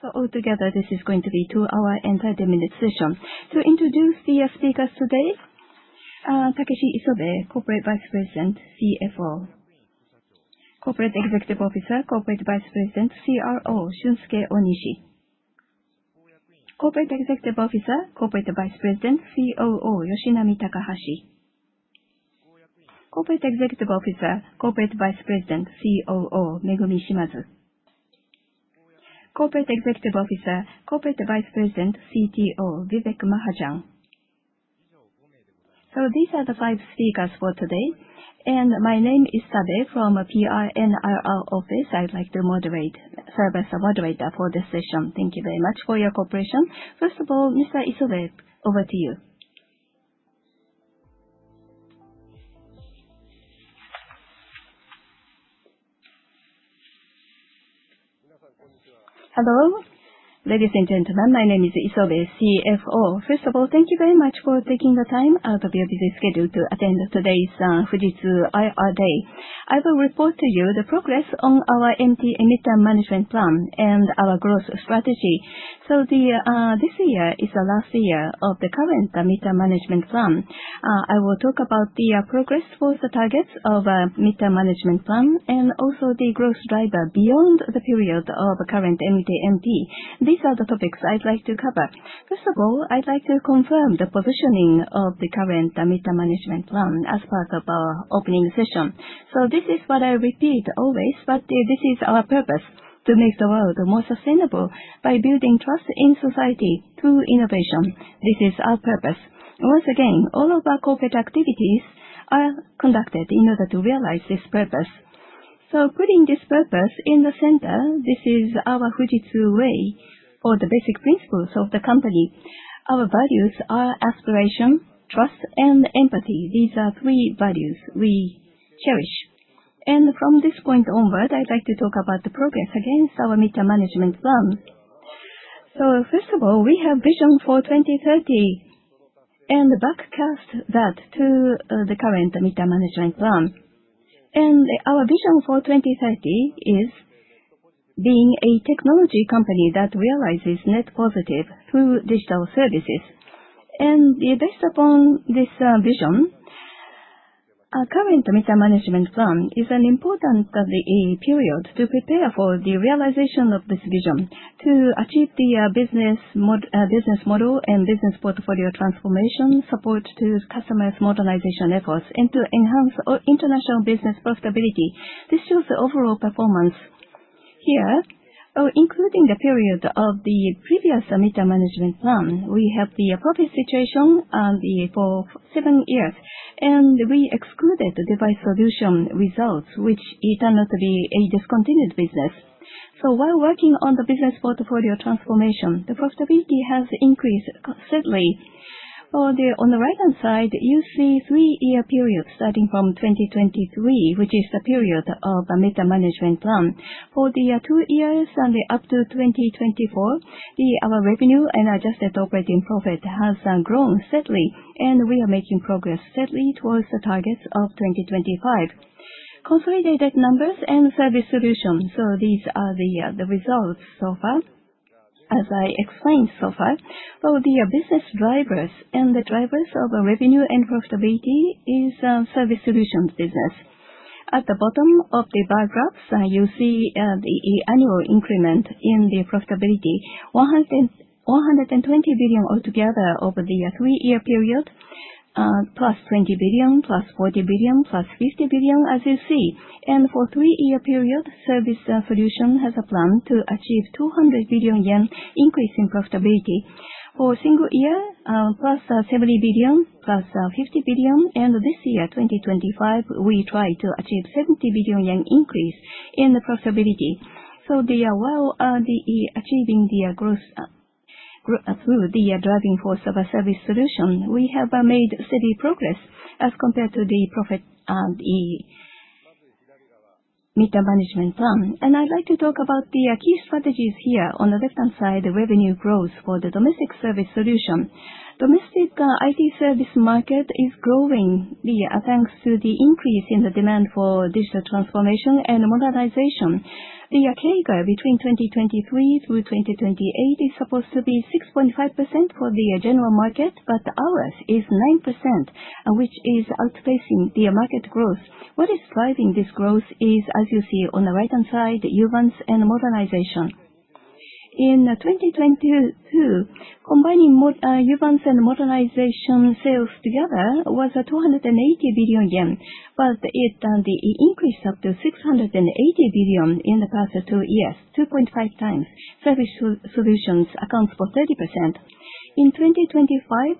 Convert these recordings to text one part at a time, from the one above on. So altogether, this is going to be a two-hour and twenty-minute session. To introduce the speakers today: Takeshi Isobe, Corporate Vice President, CFO; Corporate Executive Officer, Corporate Vice President, CRO, Shunsuke Onishi; Corporate Executive Officer, Corporate Vice President, COO, Yoshinami Takahashi; Corporate Executive Officer, Corporate Vice President, COO, Megumi Shimazu; Corporate Executive Officer, Corporate Vice President, CTO, Vivek Mahajan. So these are the five speakers for today, and my name is Sabe from PR and IR Office. I'd like to serve as a moderator for this session. Thank you very much for your cooperation. First of all, Mr. Isobe, over to you. Hello? Ladies and gentlemen, my name is Isobe, CFO. First of all, thank you very much for taking the time out of your busy schedule to attend today's Fujitsu IR Day. I will report to you the progress on our Medium-Term Management Plan and our growth strategy. So this year is the last year of the current Medium-Term Management Plan. I will talk about the progress towards the targets of the Mid-Term Management Plan and also the growth driver beyond the period of current MTMP. These are the topics I'd like to cover. First of all, I'd like to confirm the positioning of the current Medium-Term Management Plan as part of our opening session. So this is what I repeat always, but this is our purpose: to make the world more sustainable by building trust in society through innovation. This is our purpose. Once again, all of our corporate activities are conducted in order to realize this purpose. So putting this purpose in the center, this is our Fujitsu Way or the basic principles of the company. Our values are Aspiration, Trust, and Empathy. These are three values we cherish. And from this point onward, I'd like to talk about the progress against our Medium-Term Management Plan. So first of all, we have a vision for 2030 and broadcast that to the current Medium-Term Management Plan. Our vision for 2030 is being a technology company that realizes net positive through digital services. Based upon this vision, our current Medium-Term Management Plan is an important period to prepare for the realization of this vision, to achieve the business model and business portfolio transformation, support to customers' modernization efforts, and to enhance international business profitability. This shows the overall performance here, including the period of the previous Medium-Term Management Plan. We have the profit situation for seven years, and we excluded the Device Solutions results, which turned out to be a discontinued business. So while working on the business portfolio transformation, the profitability has increased considerably. On the right-hand side, you see a three-year period starting from 2023, which is the period of the Medium-Term Management Plan. For the two years and up to 2024, our revenue and adjusted operating profit have grown steadily, and we are making progress steadily towards the targets of 2025. Consolidated numbers and Service Solutions. So these are the results so far, as I explained so far. For the business drivers and the drivers of revenue and profitability is the Service Solutions business. At the bottom of the bar graphs, you see the annual increment in the profitability: 120 billion altogether over the three-year period, plus 20 billion, plus 40 billion, plus 50 billion, as you see. For the three-year period, service solution has a plan to achieve a 200 billion yen increase in profitability. For the single year, plus 70 billion, plus 50 billion, and this year, 2025, we try to achieve a 70 billion yen increase in profitability. While achieving the growth through the driving force of a service solution, we have made steady progress as compared to the Medium-Term Management Plan. I'd like to talk about the key strategies here. On the left-hand side, revenue growth for the domestic Service Solutions. Domestic IT service market is growing thanks to the increase in the demand for digital transformation and modernization. The CAGR between 2023 through 2028 is supposed to be 6.5% for the general market, but ours is 9%, which is outpacing the market growth. What is driving this growth is, as you see on the right-hand side, the Uvance and Modernization. In 2022, combining Uvance and Modernization sales together was 280 billion yen, but it increased up to 680 billion in the past two years, 2.5x. Service Solutions account for 30%. In 2025,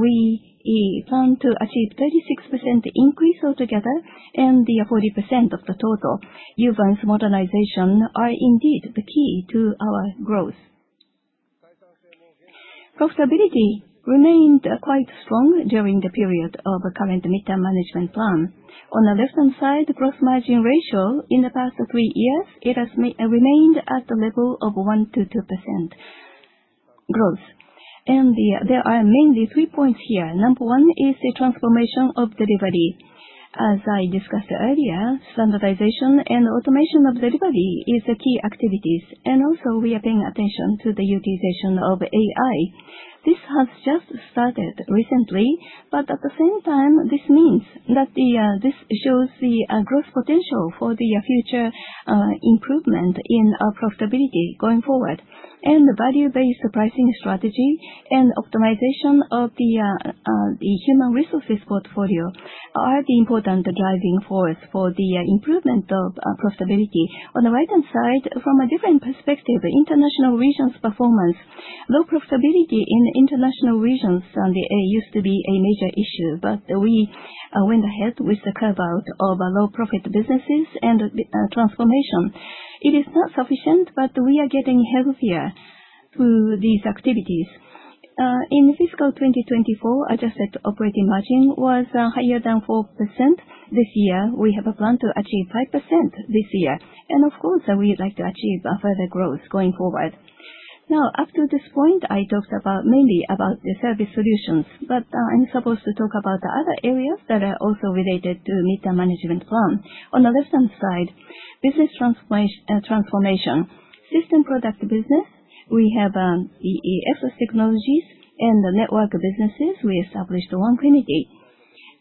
we plan to achieve a 36% increase altogether and 40% of the total. Uvance and Modernization are indeed the key to our growth. Profitability remained quite strong during the period of the current Medium-Term Management Plan. On the left-hand side, the gross margin ratio in the past three years has remained at the level of 1%-2% growth. There are mainly three points here. Number one is the transformation of delivery. As I discussed earlier, standardization and automation of delivery are the key activities. And also, we are paying attention to the utilization of AI. This has just started recently, but at the same time, this means that this shows the gross potential for the future improvement in profitability going forward. And the value-based pricing strategy and optimization of the human resources portfolio are the important driving force for the improvement of profitability. On the right-hand side, from a different perspective, international region's performance. Low profitability in international regions used to be a major issue, but we went ahead with the carve-out of low-profit businesses and transformation. It is not sufficient, but we are getting healthier through these activities. In fiscal 2024, adjusted operating margin was higher than 4% this year. We have a plan to achieve 5% this year. Of course, we would like to achieve further growth going forward. Now, up to this point, I talked mainly about the Service Solutions, but I'm supposed to talk about other areas that are also related to the Medium-Term Management Plan. On the left-hand side, business transformation, System Product business, we have Fujitsu Fsas Technologies and Network businesses, we established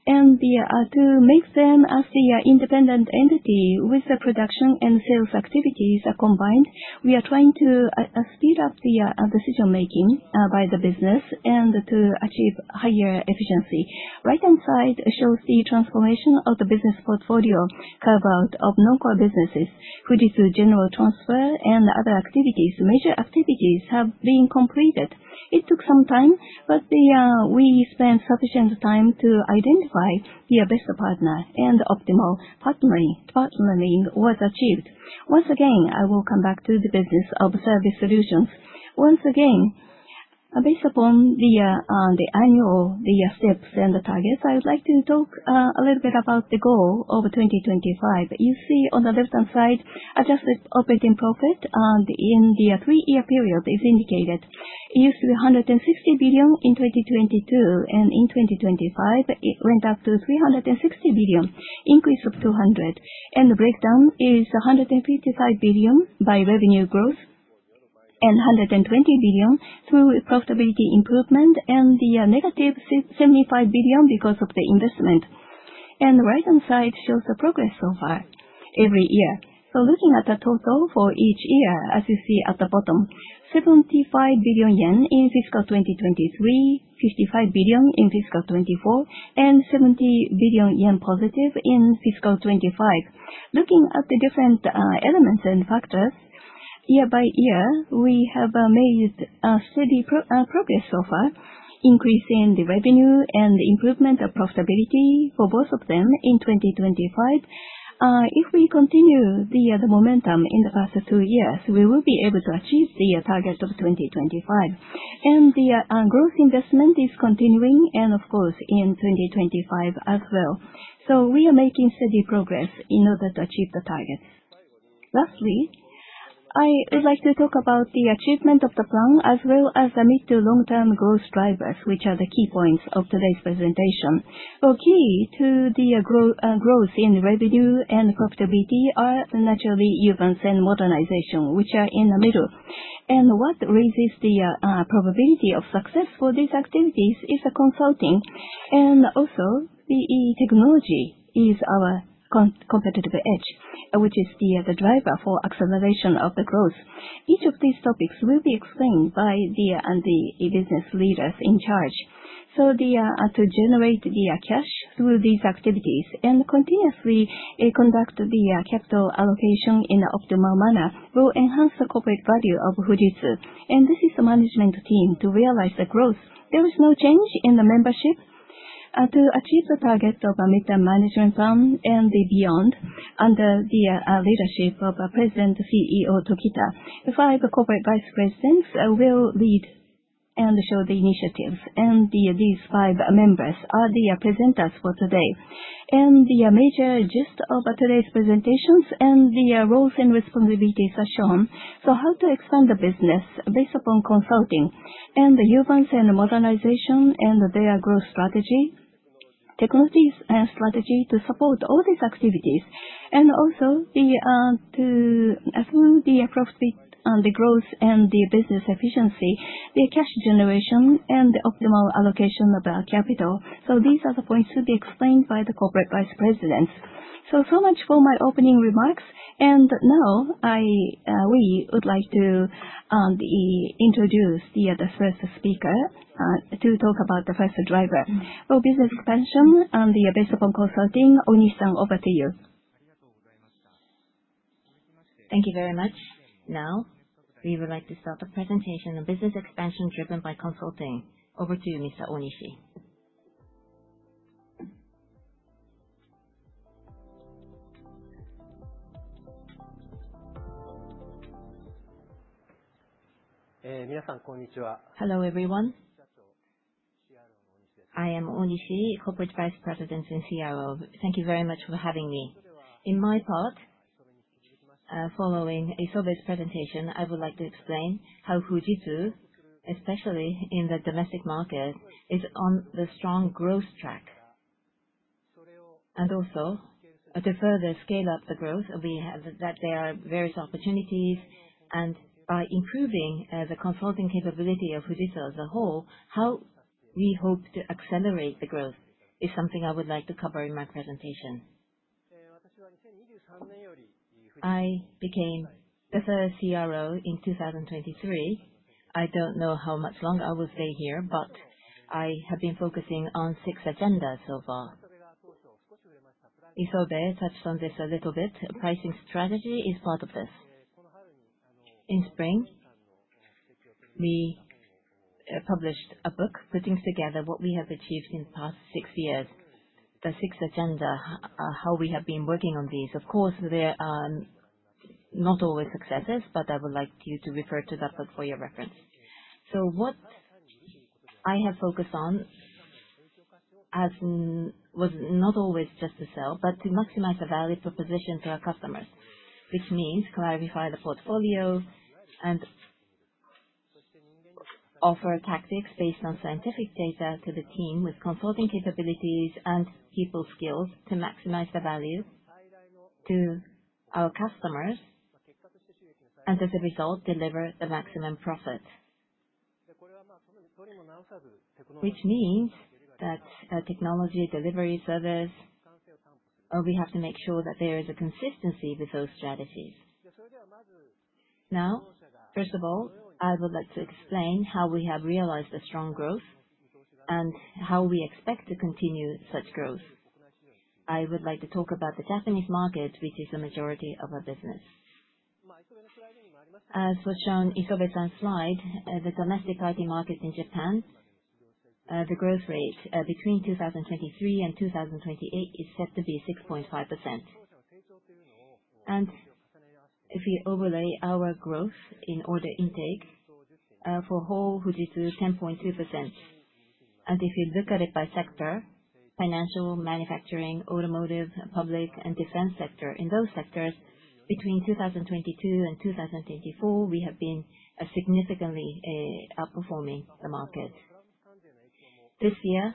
1FINITY. To make them as the independent entity with the production and sales activities combined, we are trying to speed up the decision-making by the business and to achieve higher efficiency. Right-hand side shows the transformation of the business portfolio carve-out of non-core businesses, Fujitsu General transfer, and other activities. Major activities have been completed. It took some time, but we spent sufficient time to identify the best partner, and optimal partnering was achieved. Once again, I will come back to the business of Service Solutions. Once again, based upon the annual steps and the targets, I would like to talk a little bit about the goal of 2025. You see on the left-hand side, adjusted operating profit in the three-year period is indicated. It used to be 160 billion in 2022, and in 2025, it went up to 360 billion, increase of 200, and the breakdown is 155 billion by revenue growth and 120 billion through profitability improvement, and negative 75 billion because of the investment, and the right-hand side shows the progress so far every year, so looking at the total for each year, as you see at the bottom, 75 billion yen in fiscal 2023, 55 billion in fiscal 2024, and 70 billion yen positive in fiscal 2025. Looking at the different elements and factors, year-by-year, we have made steady progress so far, increasing the revenue and the improvement of profitability for both of them in 2025. If we continue the momentum in the past two years, we will be able to achieve the target of 2025. And the gross investment is continuing, and of course, in 2025 as well. So we are making steady progress in order to achieve the target. Lastly, I would like to talk about the achievement of the plan as well as the mid- to long-term growth drivers, which are the key points of today's presentation. The key to the growth in revenue and profitability are naturally Uvance and Modernization, which are in the middle. And what raises the probability of success for these activities is consulting. And also, the technology is our competitive edge, which is the driver for acceleration of the growth. Each of these topics will be explained by the business leaders in charge. So to generate the cash through these activities and continuously conduct the capital allocation in an optimal manner will enhance the corporate value of Fujitsu. And this is the management team to realize the growth. There is no change in the membership to achieve the target of a Medium-Term Management Plan and beyond under the leadership of President, CEO Tokita. The five Corporate Vice Presidents will lead and show the initiative. And these five members are the presenters for today. And the major gist of today's presentations and the roles and responsibilities are shown. So how to expand the business based upon consulting and the Uvance and Modernization and their growth strategy, technologies and strategy to support all these activities. And also, through the profit and the growth and the business efficiency, the cash generation and the optimal allocation of capital. So these are the points to be explained by the Corporate Vice Presidents. So much for my opening remarks, and now we would like to introduce the first speaker to talk about the first driver for business expansion and based upon consulting. Onishi, over to you. Thank you very much. Now, we would like to start the presentation on business expansion driven by consulting. Over to you, Mr. Onishi. Hello everyone. I am Onishi, Corporate Vice President and CRO. Thank you very much for having me. In my part, following a service presentation, I would like to explain how Fujitsu, especially in the domestic market, is on the strong growth track. And also, to further scale up the growth, that there are various opportunities, and by improving the consulting capability of Fujitsu as a whole, how we hope to accelerate the growth is something I would like to cover in my presentation. I became the first CRO in 2023. I don't know how much longer I will stay here, but I have been focusing on six agendas so far. We touched on this a little bit. Pricing strategy is part of this. In spring, we published a book putting together what we have achieved in the past six years, the six agendas, how we have been working on these. Of course, there are not always successes, but I would like you to refer to that book for your reference. So what I have focused on was not always just to sell, but to maximize the value proposition to our customers, which means clarify the portfolio and offer tactics based on scientific data to the team with consulting capabilities and people skills to maximize the value to our customers, and as a result, deliver the maximum profit, which means that technology delivery service, we have to make sure that there is a consistency with those strategies. Now, first of all, I would like to explain how we have realized the strong growth and how we expect to continue such growth. I would like to talk about the Japanese market, which is the majority of our business. As was shown on Isobe's slide, the domestic IT market in Japan, the growth rate between 2023 and 2028 is set to be 6.5%. If we overlay our growth in order intake for whole Fujitsu, 10.2%. If you look at it by sector, Financial, Manufacturing, Automotive, Public, and Defense sector, in those sectors, between 2022 and 2024, we have been significantly outperforming the market. This year,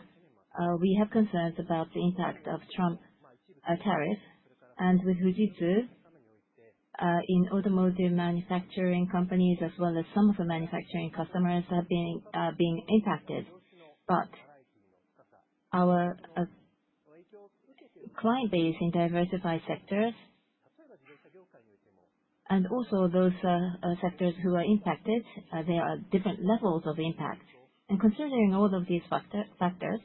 we have concerns about the impact of Trump's tariffs, and with Fujitsu, in automotive manufacturing companies as well as some of the manufacturing customers have been impacted. Our client base in diversified sectors, and also those sectors who are impacted, there are different levels of impact. Considering all of these factors,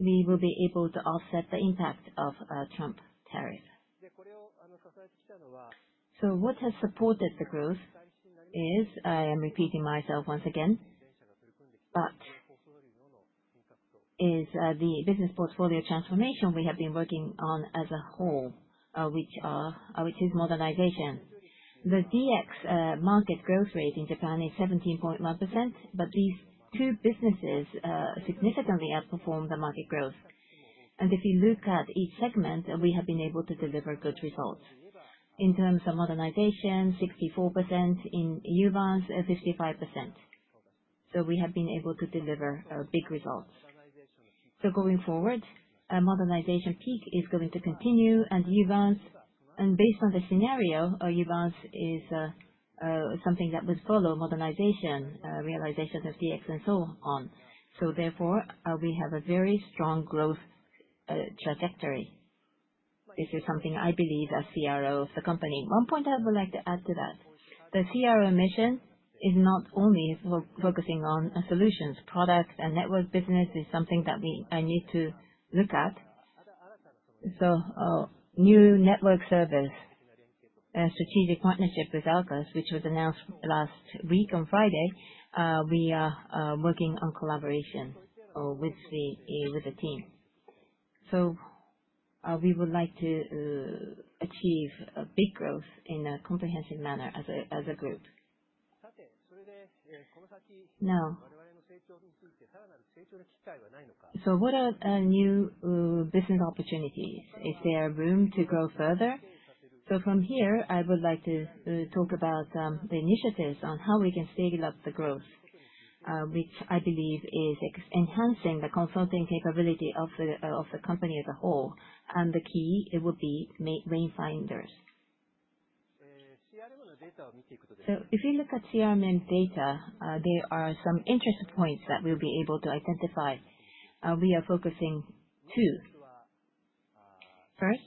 we will be able to offset the impact of Trump tariffs. What has supported the growth is, I am repeating myself once again, but the business portfolio transformation we have been working on as a whole, which is modernization. The DX market growth rate in Japan is 17.1%, but these two businesses significantly outperform the market growth, and if you look at each segment, we have been able to deliver good results in terms of Modernization, 64%, in Uvance, 55%, so we have been able to deliver big results, so going forward, modernization peak is going to continue and Uvance, and based on the scenario, Uvance is something that would follow Modernization, realization of DX and so on, so therefore, we have a very strong growth trajectory. This is something I believe as CRO of the company. One point I would like to add to that. The CRO mission is not only focusing on solutions. Product and Network business is something that I need to look at. So, new network service and strategic partnership with Arrcus, which was announced last week on Friday. We are working on collaboration with the team. So we would like to achieve big growth in a comprehensive manner as a group. Now, what are new business opportunities? Is there room to grow further? So from here, I would like to talk about the initiatives on how we can scale up the growth, which I believe is enhancing the consulting capability of the company as a whole and the key would be Wayfinders. So if you look at CRM data, there are some interest points that we'll be able to identify. We are focusing two. First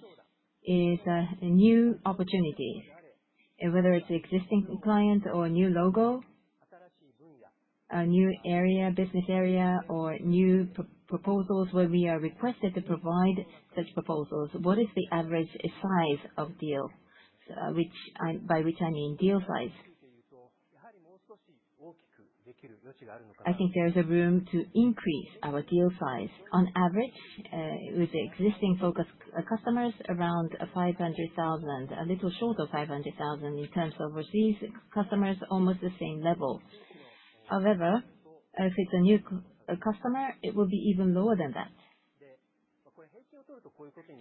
is new opportunities, whether it's existing client or new logo, new area, business area, or new proposals where we are requested to provide such proposals, what is the average size of deal? By which I mean deal size. I think there is a room to increase our deal size. On average, with existing focus customers around 500,000, a little short of 500,000 in terms of overseas customers, almost the same level. However, if it's a new customer, it will be even lower than that.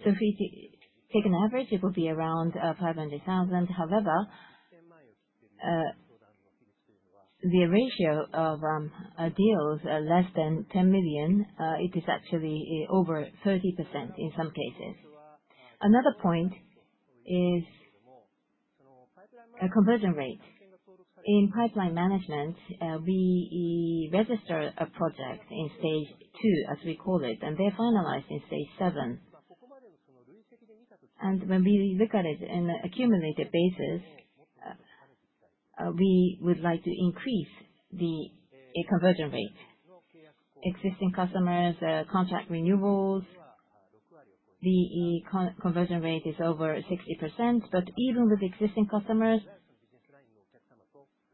So if we take an average, it will be around 500,000. However, the ratio of deals less than 10 million. It is actually over 30% in some cases. Another point is conversion rate. In pipeline management, we register a project in stage two, as we call it, and they're finalized in stage seven. And when we look at it in an accumulated basis, we would like to increase the conversion rate. Existing customers, contract renewals, the conversion rate is over 60%, but even with existing customers,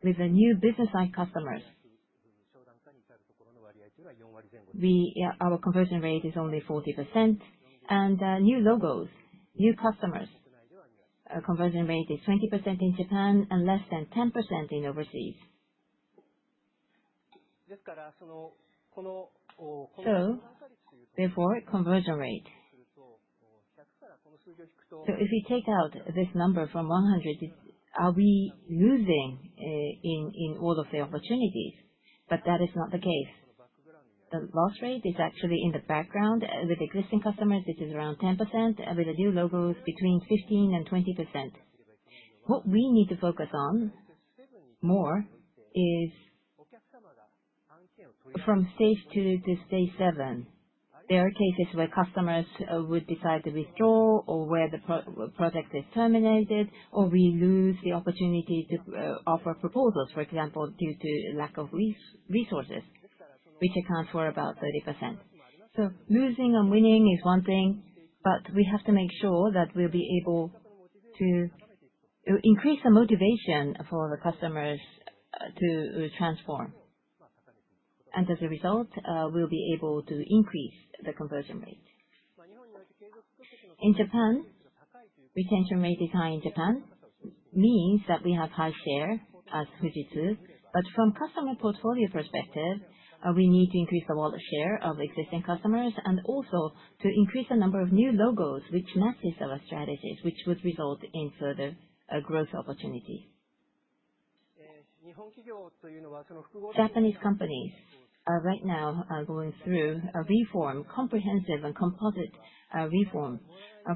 with the new business-like customers, our conversion rate is only 40%. New logos, new customers. Conversion rate is 20% in Japan and less than 10% in overseas. Therefore, conversion rate. If we take out this number from 100, are we losing in all of the opportunities? But that is not the case. The loss rate is actually in the background with existing customers, which is around 10%, and with the new logos, between 15% and 20%. What we need to focus on more is from stage two to stage seven. There are cases where customers would decide to withdraw or where the project is terminated, or we lose the opportunity to offer proposals, for example, due to lack of resources, which accounts for about 30%. Losing and winning is one thing, but we have to make sure that we'll be able to increase the motivation for the customers to transform. As a result, we'll be able to increase the conversion rate. In Japan, retention rate in Japan means that we have high share as Fujitsu, but from a customer portfolio perspective, we need to increase the wallet share of existing customers and also to increase the number of new logos, which matches our strategies, which would result in further growth opportunities. Japanese companies are right now going through a reform, comprehensive and composite reform.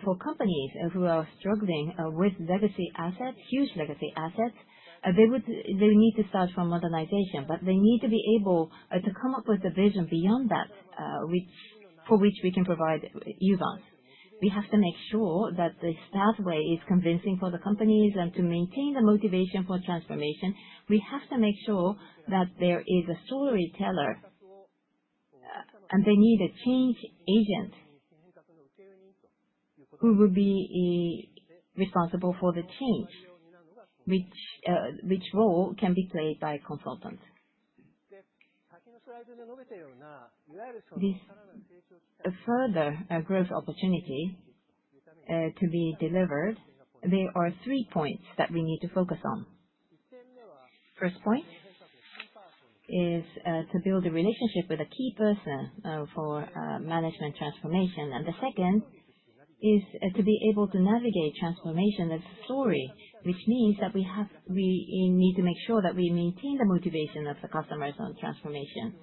For companies who are struggling with legacy assets, huge legacy assets, they need to start from modernization, but they need to be able to come up with a vision beyond that, for which we can provide Uvance. We have to make sure that this pathway is convincing for the companies and to maintain the motivation for transformation. We have to make sure that there is a storyteller, and they need a change agent who will be responsible for the change, which role can be played by consultants. Further growth opportunity to be delivered. There are three points that we need to focus on. First point is to build a relationship with a key person for management transformation, and the second is to be able to navigate transformation as a story, which means that we need to make sure that we maintain the motivation of the customers on transformation.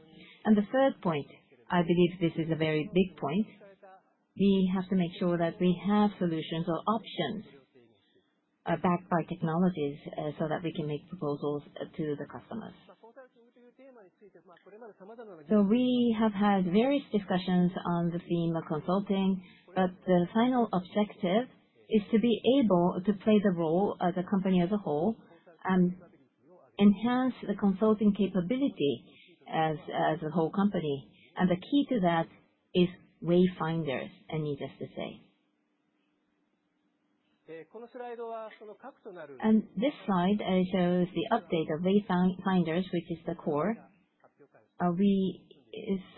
And the third point, I believe this is a very big point, we have to make sure that we have solutions or options backed by technologies so that we can make proposals to the customers. So we have had various discussions on the theme of consulting, but the final objective is to be able to play the role as a company as a whole and enhance the consulting capability as a whole company. And the key to that is Wayfinders, I need just to say. And this slide shows the update of Wayfinders, which is the core.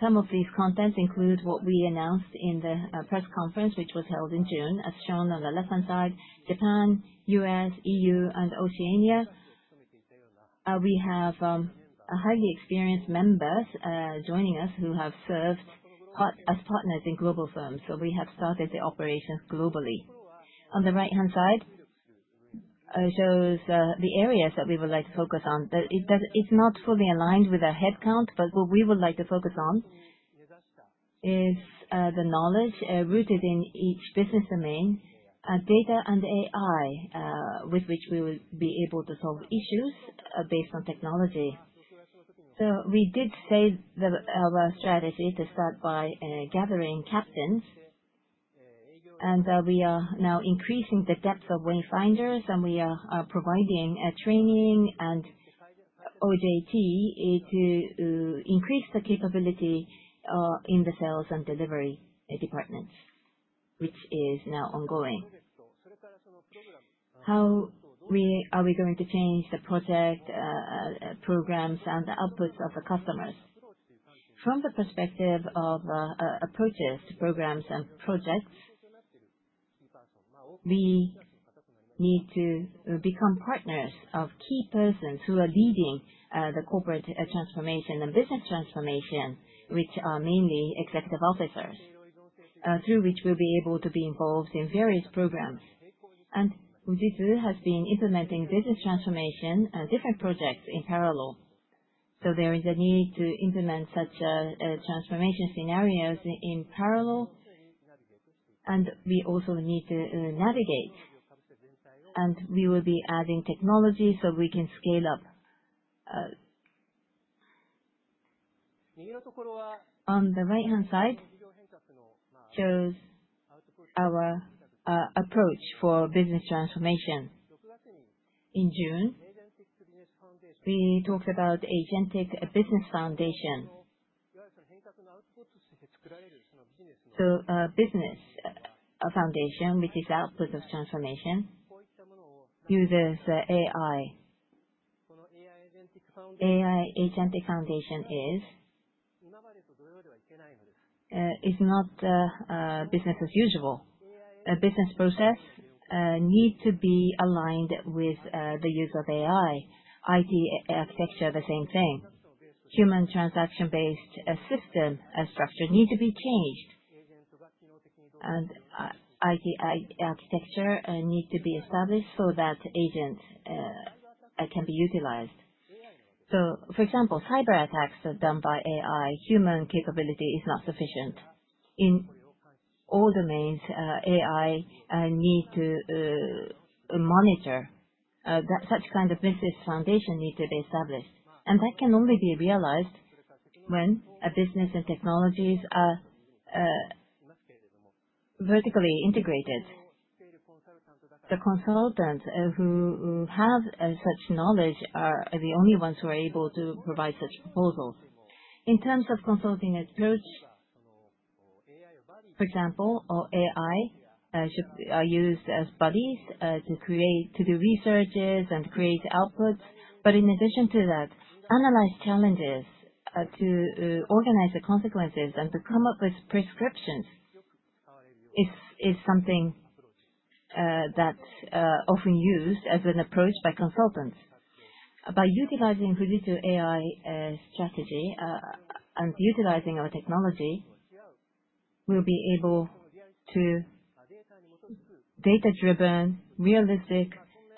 Some of these contents include what we announced in the press conference, which was held in June, as shown on the left-hand side, Japan, U.S., E.U., and Oceania. We have highly experienced members joining us who have served as partners in global firms. So we have started the operations globally. On the right-hand side shows the areas that we would like to focus on. It's not fully aligned with our headcount, but what we would like to focus on is the knowledge rooted in each business domain, data and AI, with which we will be able to solve issues based on technology. So we did say that our strategy to start by gathering captains, and we are now increasing the depth of Wayfinders, and we are providing training and OJT to increase the capability in the sales and delivery departments, which is now ongoing. How are we going to change the project programs and the outputs of the customers? From the perspective of approaches to programs and projects, we need to become partners of key persons who are leading the corporate transformation and business transformation, which are mainly executive officers, through which we'll be able to be involved in various programs and Fujitsu has been implementing business transformation and different projects in parallel. There is a need to implement such transformation scenarios in parallel, and we also need to navigate, and we will be adding technology so we can scale up. On the right-hand side shows our approach for business transformation. In June, we talked about Agentic Business Foundation. So a business foundation, which is output of transformation, uses AI. AI Agentic Foundation is not business as usual. Business processes need to be aligned with the use of AI. IT architecture, the same thing. Human transaction-based system structure needs to be changed, and IT architecture needs to be established so that agents can be utilized. So for example, cyber attacks are done by AI. Human capability is not sufficient. In all domains, AI needs to monitor. Such kind of business foundation needs to be established. And that can only be realized when business and technologies are vertically integrated. The consultants who have such knowledge are the only ones who are able to provide such proposals. In terms of consulting approach, for example, AI should be used as buddies to do researches and create outputs, but in addition to that, analyze challenges to organize the consequences and to come up with prescriptions is something that's often used as an approach by consultants. By utilizing Fujitsu AI strategy and utilizing our technology, we'll be able to provide data-driven, realistic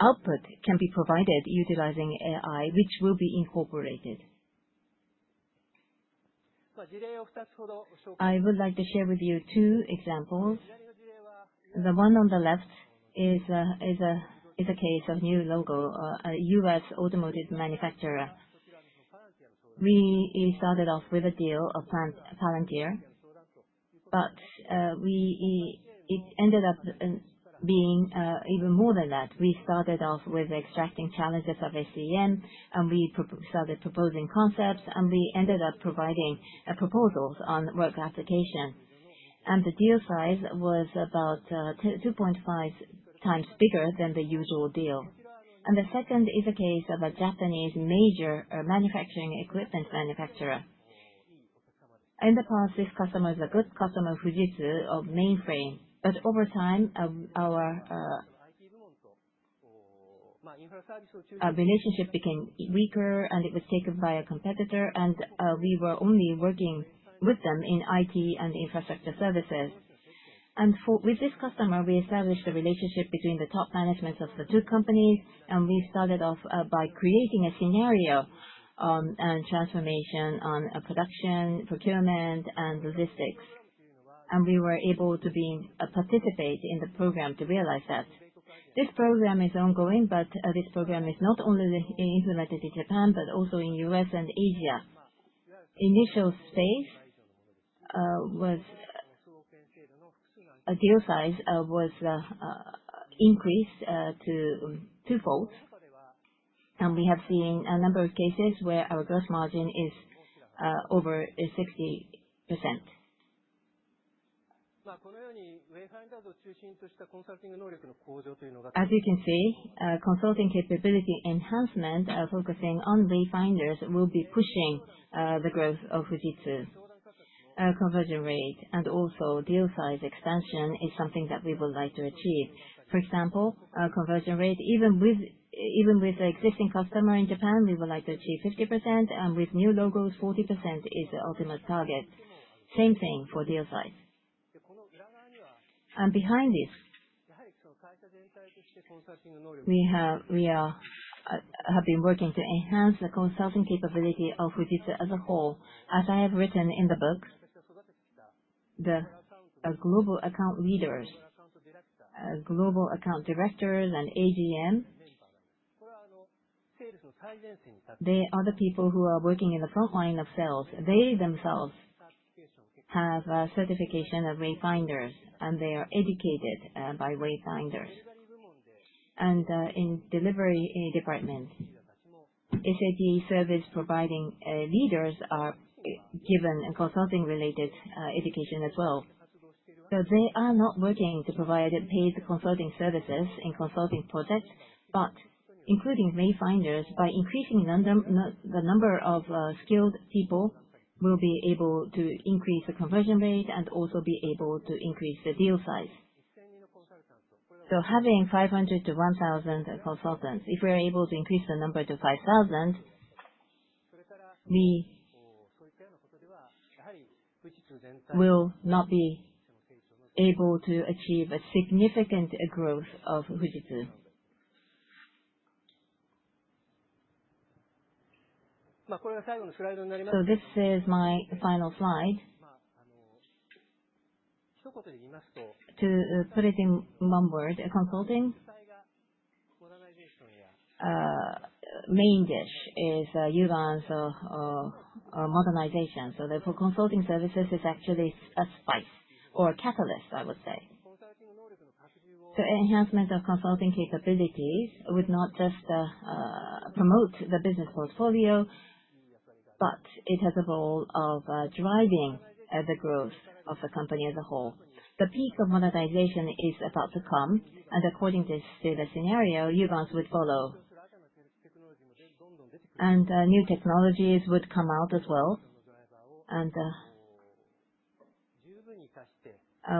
outputs that can be provided utilizing AI, which will be incorporated. I would like to share with you two examples. The one on the left is a case of new logo, a U.S. automotive manufacturer. We started off with a deal of Palantir, but it ended up being even more than that. We started off with extracting challenges of SEM, and we started proposing concepts, and we ended up providing proposals on work application, and the deal size was about 2.5 times bigger than the usual deal, and the second is a case of a Japanese major manufacturing equipment manufacturer. In the past, this customer was a good customer of Fujitsu of Mainframe. But over time, our relationship became weaker, and it was taken by a competitor, and we were only working with them in IT and Infrastructure services, and with this customer, we established a relationship between the top managements of the two companies, and we started off by creating a scenario and transformation on production, procurement, and logistics, and we were able to participate in the program to realize that. This program is ongoing, but this program is not only implemented in Japan, but also in the U.S. and Asia. Initial stage was a deal size was increased to twofold, and we have seen a number of cases where our gross margin is over 60%. As you can see, consulting capability enhancement focusing on Wayfinders will be pushing the growth of Fujitsu conversion rate, and also deal size expansion is something that we would like to achieve. For example, conversion rate, even with existing customers in Japan, we would like to achieve 50%, and with new logos, 40% is the ultimate target. Same thing for deal size, and behind this, we have been working to enhance the consulting capability of Fujitsu as a whole. As I have written in the book, the global account leaders, global account directors, and AGM, they are the people who are working in the front line of sales. They themselves have certification of Wayfinders, and they are educated by Wayfinders. In Delivery departments, SAP service providing leaders are given consulting-related education as well. They are not working to provide paid consulting services in consulting projects, but including wayfinders by increasing the number of skilled people, we'll be able to increase the conversion rate and also be able to increase the deal size. Having 500-1,000 consultants, if we're able to increase the number to 5,000, we will not be able to achieve a significant growth of Fujitsu. This is my final slide. To put it in one word, consulting main dish is Uvance or Modernization. For consulting services, it's actually a spice or a catalyst, I would say. Enhancement of consulting capabilities would not just promote the business portfolio, but it has a role of driving the growth of the company as a whole. The peak of Modernization is about to come, and according to the scenario, Uvance would follow, and new technologies would come out as well. And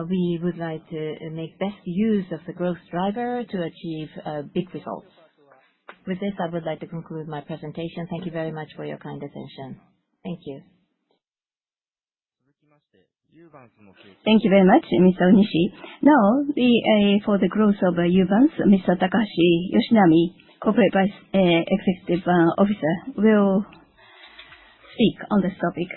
we would like to make best use of the growth driver to achieve big results. With this, I would like to conclude my presentation. Thank you very much for your kind attention. Thank you. Thank you very much, Ms. Onishi. Now, for the growth of Uvance, Mr. Takahashi Yoshinami, Corporate Executive Officer, will speak on this topic.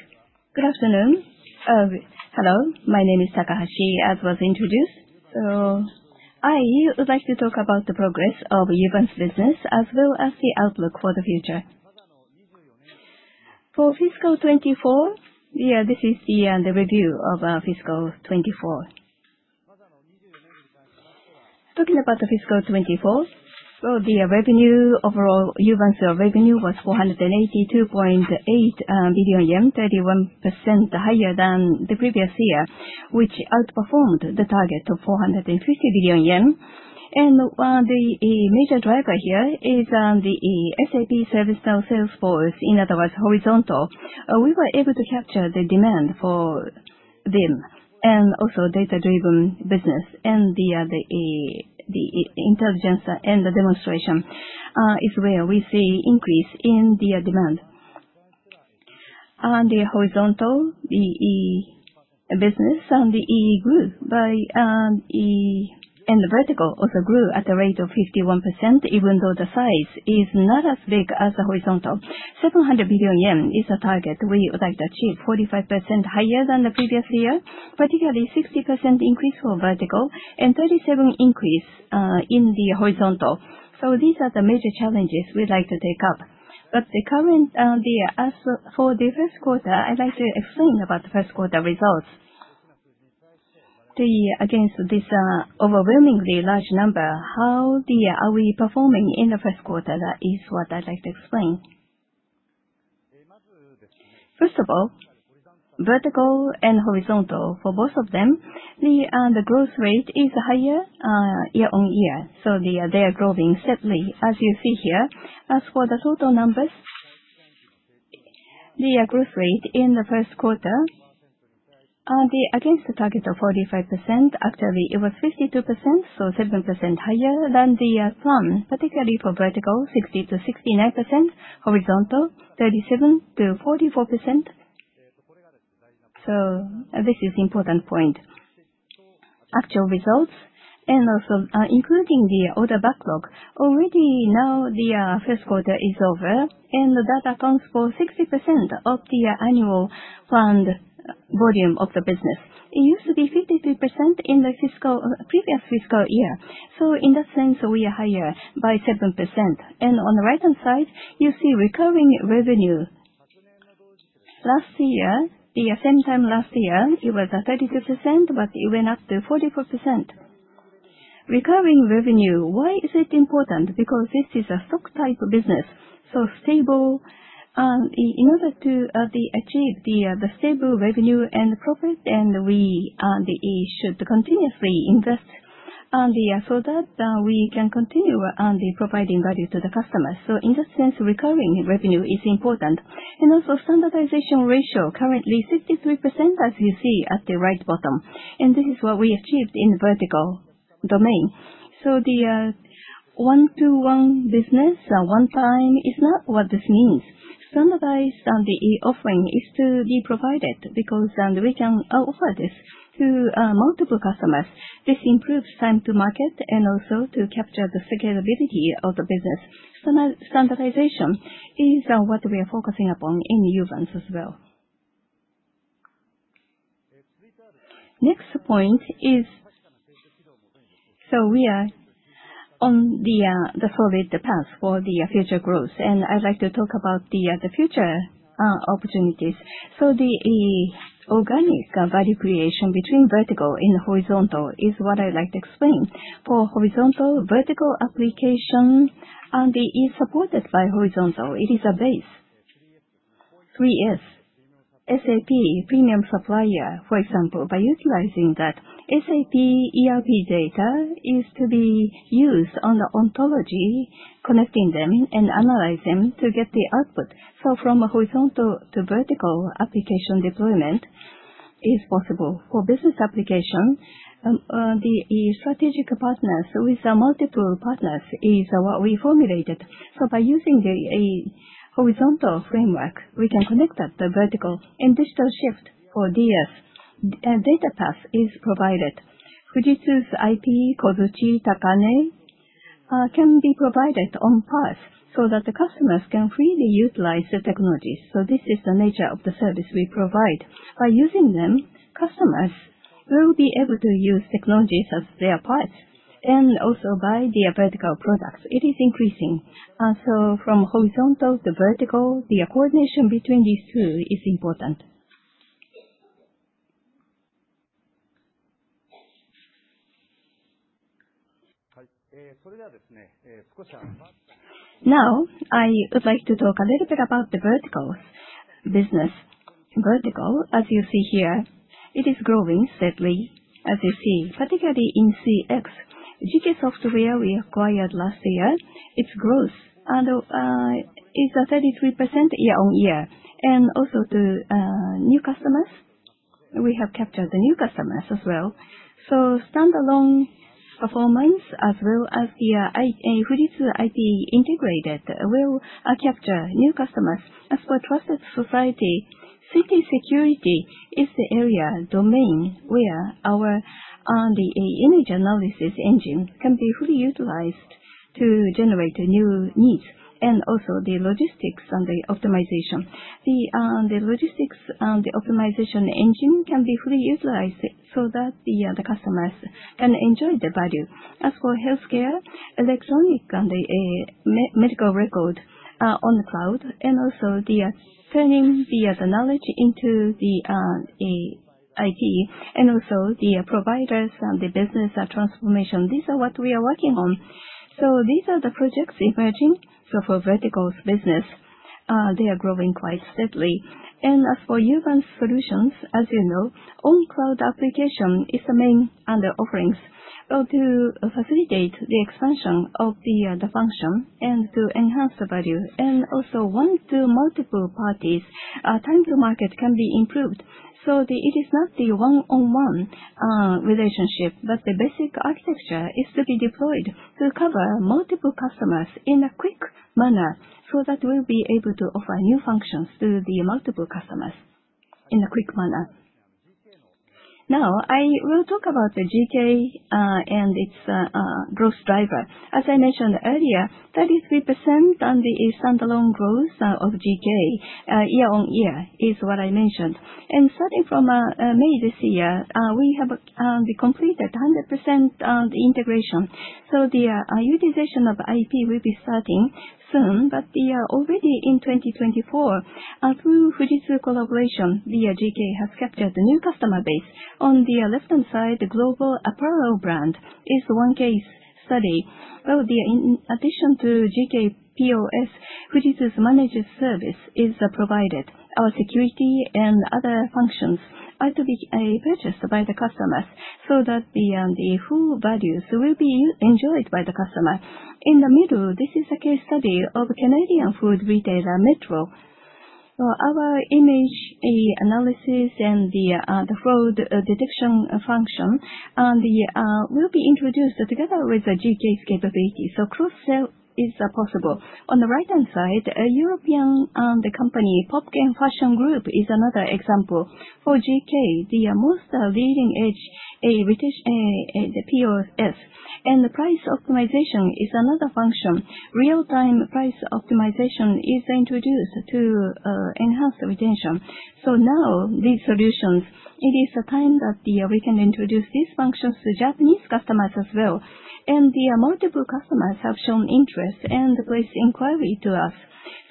Good afternoon. Hello. My name is Takahashi, as was introduced. So I would like to talk about the progress of Uvance's business as well as the outlook for the future. For fiscal 2024, this is the review of fiscal 2024. Talking about the fiscal 2024, the revenue overall, Uvance revenue was 482.8 billion yen, 31% higher than the previous year, which outperformed the target of 450 billion yen. The major driver here is the SAP-ServiceNow, Salesforce, in other words, Horizontal. We were able to capture the demand for them and also data-driven business, and the intelligence and the demonstration is where we see an increase in the demand. On the Horizontal, the business and the Uvance grew, and the Vertical also grew at a rate of 51%, even though the size is not as big as the Horizontal. 700 billion yen is a target we would like to achieve, 45% higher than the previous year, particularly 60% increase for Vertical and 37% increase in the Horizontal. These are the major challenges we'd like to take up. But the current for the Q1, I'd like to explain about the Q1 results. Against this overwhelmingly large number, how are we performing in the Q1? That is what I'd like to explain. First of all, vertical and horizontal, for both of them, the growth rate is higher year-on-year. So they are growing steadily, as you see here. As for the total numbers, the growth rate in the Q1, against the target of 45%, actually, it was 52%, so 7% higher than the plan, particularly for Vertical, 60%-69%, Horizontal, 37%-44%. So this is an important point. Actual results, and also including the order backlog, already now the Q1 is over, and that accounts for 60% of the annual planned volume of the business. It used to be 53% in the previous fiscal year. So in that sense, we are higher by 7%. And on the right-hand side, you see recurring revenue. Last year, the same time last year, it was 32%, but it went up to 44%. Recurring revenue, why is it important? Because this is a stock-type business, so stable. In order to achieve the stable revenue and profit, we should continuously invest so that we can continue providing value to the customers. So in that sense, recurring revenue is important. And also standardization ratio, currently 63%, as you see at the right bottom. And this is what we achieved in the vertical domain. So the one-to-one business, one-time, is not what this means. Standardized offering is to be provided because we can offer this to multiple customers. This improves time to market and also to capture the scalability of the business. Standardization is what we are focusing upon in Uvance as well. Next point is, so we are on the solid path for the future growth, and I'd like to talk about the future opportunities, so the organic value creation between Vertical and Horizontal is what I'd like to explain. For Horizontal, Vertical application, and it is supported by Horizontal. It is a base. 3S, SAP Premium Supplier, for example, by utilizing that, SAP ERP data is to be used on the ontology, connecting them and analyzing them to get the output, so from horizontal to vertical application deployment is possible. For business application, the strategic partners with multiple partners is what we formulated, so by using the horizontal framework, we can connect at the Vertical, and digital shift for DX, data path is provided. Fujitsu's IP, Kozuchi, Takane, can be provided on path so that the customers can freely utilize the technologies. So this is the nature of the service we provide. By using them, customers will be able to use technologies as their parts, and also by the Vertical products. It is increasing. So from Horizontal to Vertical, the coordination between these two is important. Now, I would like to talk a little bit about the Verticals business. Vertical, as you see here, it is growing steadily, as you see, particularly in CX. GK Software, we acquired last year, its growth is 33% year-on-year and also to new customers, we have captured the new customers as well. So standalone performance, as well as the Fujitsu IP integrated, will capture new customers. As for trusted society, ICT security is the area domain where our image analysis engine can be fully utilized to generate new needs, and also the logistics and the optimization. The logistics and the optimization engine can be fully utilized so that the customers can enjoy the value. As for healthcare, electronic and the medical record on the cloud, and also the turning the knowledge into the IP, and also the providers and the business transformation, these are what we are working on. These are the projects emerging. For Verticals business, they are growing quite steadily. As for Uvance solutions, as you know, on-cloud application is the main underlying offerings. To facilitate the expansion of the function and to enhance the value, and also one to multiple parties, time to market can be improved. It is not the one-on-one relationship, but the basic architecture is to be deployed to cover multiple customers in a quick manner so that we'll be able to offer new functions to the multiple customers in a quick manner. Now, I will talk about GK and its growth driver. As I mentioned earlier, 33% on the standalone growth of GK year-on-year is what I mentioned. Starting from May this year, we have completed 100% integration. The utilization of IP will be starting soon, but already in 2024, through Fujitsu collaboration, GK has captured a new customer base. On the left-hand side, the global apparel brand is one case study. In addition to GK POS, Fujitsu's managed service is provided. Our security and other functions are to be purchased by the customers so that the full values will be enjoyed by the customer. In the middle, this is a case study of Canadian food retailer Metro. Our image analysis and the fraud detection function will be introduced together with GK's capabilities, so cross-sale is possible. On the right-hand side, European company Popken Fashion Group is another example. For GK, the most leading-edge POS and price optimization is another function. Real-time price optimization is introduced to enhance the retention. So now, these solutions, it is time that we can introduce these functions to Japanese customers as well, and multiple customers have shown interest and placed inquiry to us,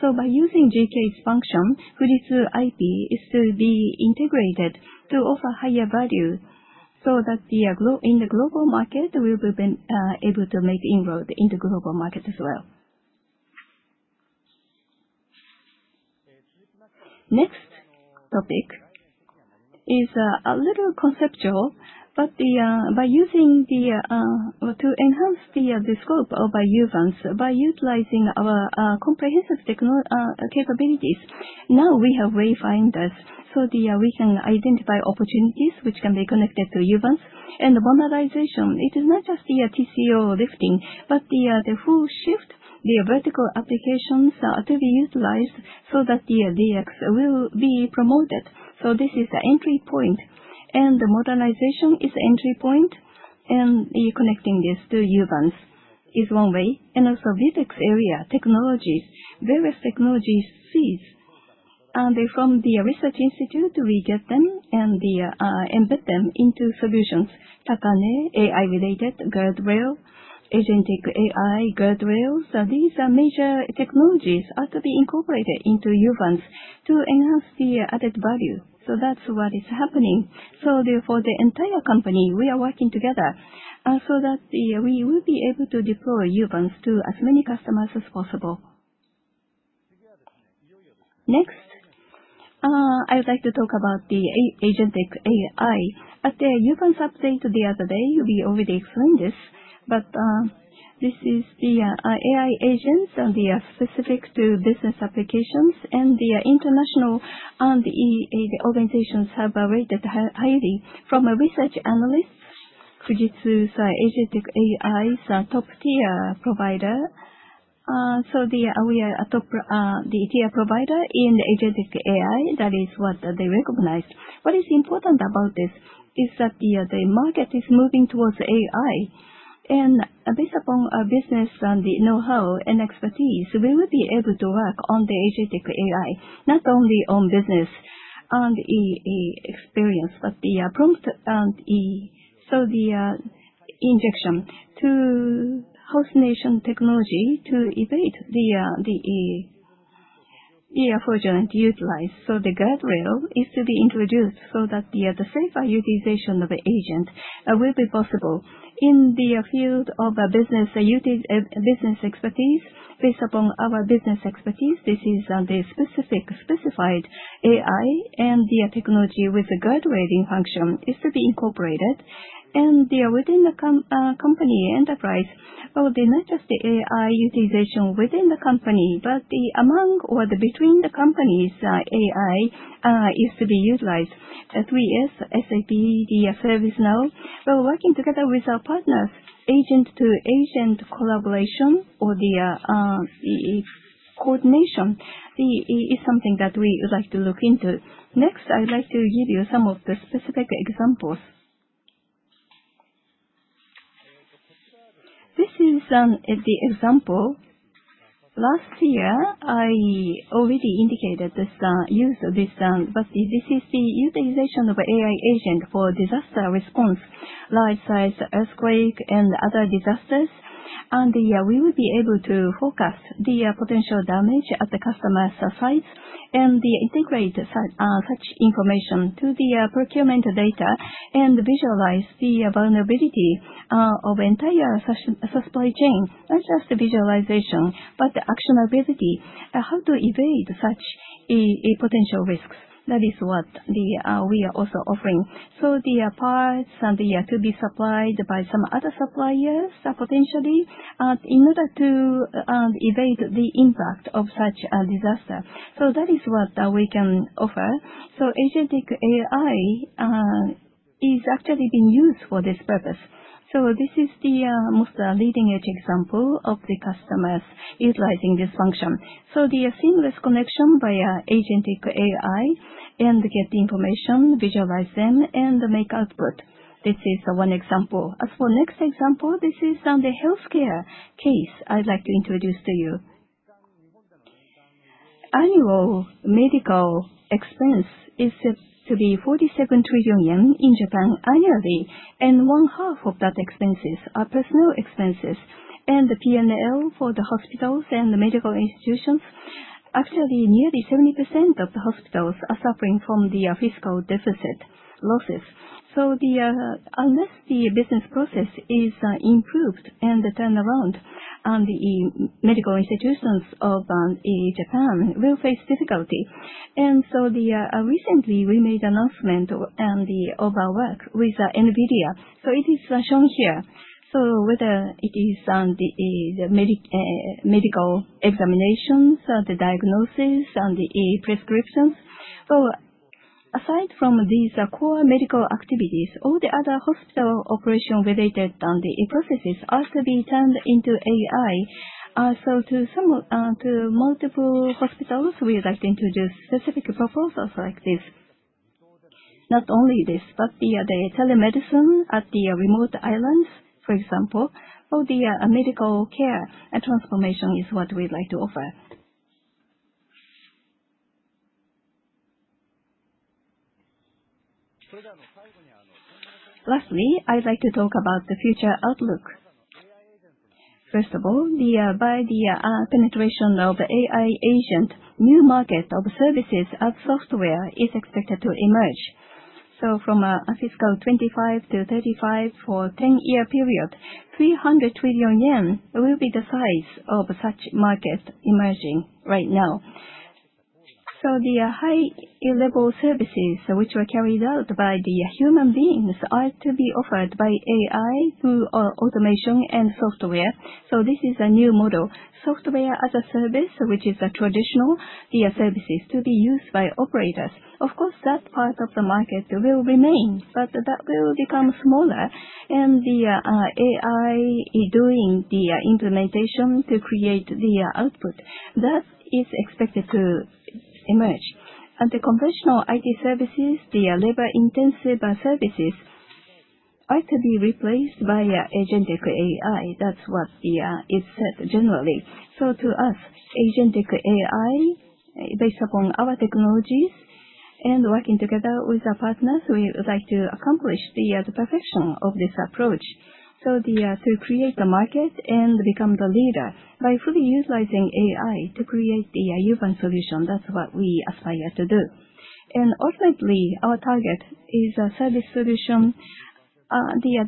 so by using GK's function, Fujitsu IP is to be integrated to offer higher value so that in the global market, we will be able to make inroad into the global market as well. Next topic is a little conceptual, but by enhancing the scope of Uvance by utilizing our comprehensive capabilities, now we have verified this. So we can identify opportunities which can be connected to Uvance. And the Modernization, it is not just the TCO lifting, but the full shift, the Vertical applications are to be utilized so that the DX will be promoted. So this is the entry point. And the Modernization is the entry point, and connecting this to Uvance is one way. And also various area technologies, various technologies seed. From the research institute, we get them and embed them into solutions. Takane, AI-related Agentic AI guardrails. These are major technologies that are to be incorporated into Uvance to enhance the added value. So that's what is happening. For the entire company, we are working together so that we will be able to deploy Uvance to as many customers as possible. Next, I would like to talk about Agentic AI. at the Uvance update the other day, we already explained this, but this is the AI agents and they are specific to business applications, and international organizations and research analysts have rated it highly. Fujitsu is a top-tier provider Agentic AI. so we are a top-tier provider Agentic AI. that is what they recognized. What is important about this is that the market is moving towards AI, based upon business and the know-how and expertise, we will be able to work on Agentic AI, not only on business and experience, but the integration of sovereign technology to evade fraudulent utilization. So the guardrail is to be introduced so that the safer utilization of the agent will be possible. In the field of business expertise, based upon our business expertise, this is the specified AI and the technology with the guardrailing function is to be incorporated. And within the company enterprise, well, not just the AI utilization within the company, but among or between the companies, AI is to be utilized. 3S, SAP, ServiceNow, well, working together with our partners. Agent-to-agent collaboration or the coordination is something that we would like to look into. Next, I'd like to give you some of the specific examples. This is the example. Last year, I already indicated this use, but this is the utilization of AI agent for disaster response, large-sized earthquake, and other disasters. We will be able to focus the potential damage at the customer's sites and integrate such information to the procurement data and visualize the vulnerability of the entire supply chain. Not just visualization, but actionability, how to evade such potential risks. That is what we are also offering. The parts are to be supplied by some other suppliers potentially in order to evade the impact of such a disaster. That is what we can Agentic AI is actually being used for this purpose. This is the most leading-edge example of the customers utilizing this function. The seamless connection Agentic AI and get the information, visualize them, and make output. This is one example. As for the next example, this is on the healthcare case I'd like to introduce to you. Annual medical expense is said to be 47 trillion yen in Japan annually, and 1/2 of that expenses are personal expenses. And the P&L for the hospitals and the medical institutions, actually nearly 70% of the hospitals are suffering from the fiscal deficit losses. So unless the business process is improved and turned around, the medical institutions of Japan will face difficulty. And so recently, we made an announcement of our work with NVIDIA. So it is shown here. So whether it is the medical examinations, the diagnosis, and the prescriptions. So aside from these core medical activities, all the other hospital operation-related processes are to be turned into AI. So to multiple hospitals, we would like to introduce specific proposals like this. Not only this, but the telemedicine at the remote islands, for example, for the medical care and transformation is what we'd like to offer. Lastly, I'd like to talk about the future outlook. First of all, by the penetration of AI agent, a new market of services and software is expected to emerge. So from fiscal 2025 to 2035 for a 10-year period, 300 trillion yen will be the size of such market emerging right now. So the high-level services which were carried out by the human beings are to be offered by AI through automation and software. So this is a new model. Software as a service, which is traditional, the services to be used by operators. Of course, that part of the market will remain, but that will become smaller, and the AI doing the implementation to create the output. That is expected to emerge. And the conventional IT services, the labor-intensive services, are to be replaced Agentic AI. that's what is said generally. So to Agentic AI, based upon our technologies and working together with our partners, we would like to accomplish the perfection of this approach. So to create the market and become the leader by fully utilizing AI to create the Uvance Solution. That's what we aspire to do. And ultimately, our target is a service solution. The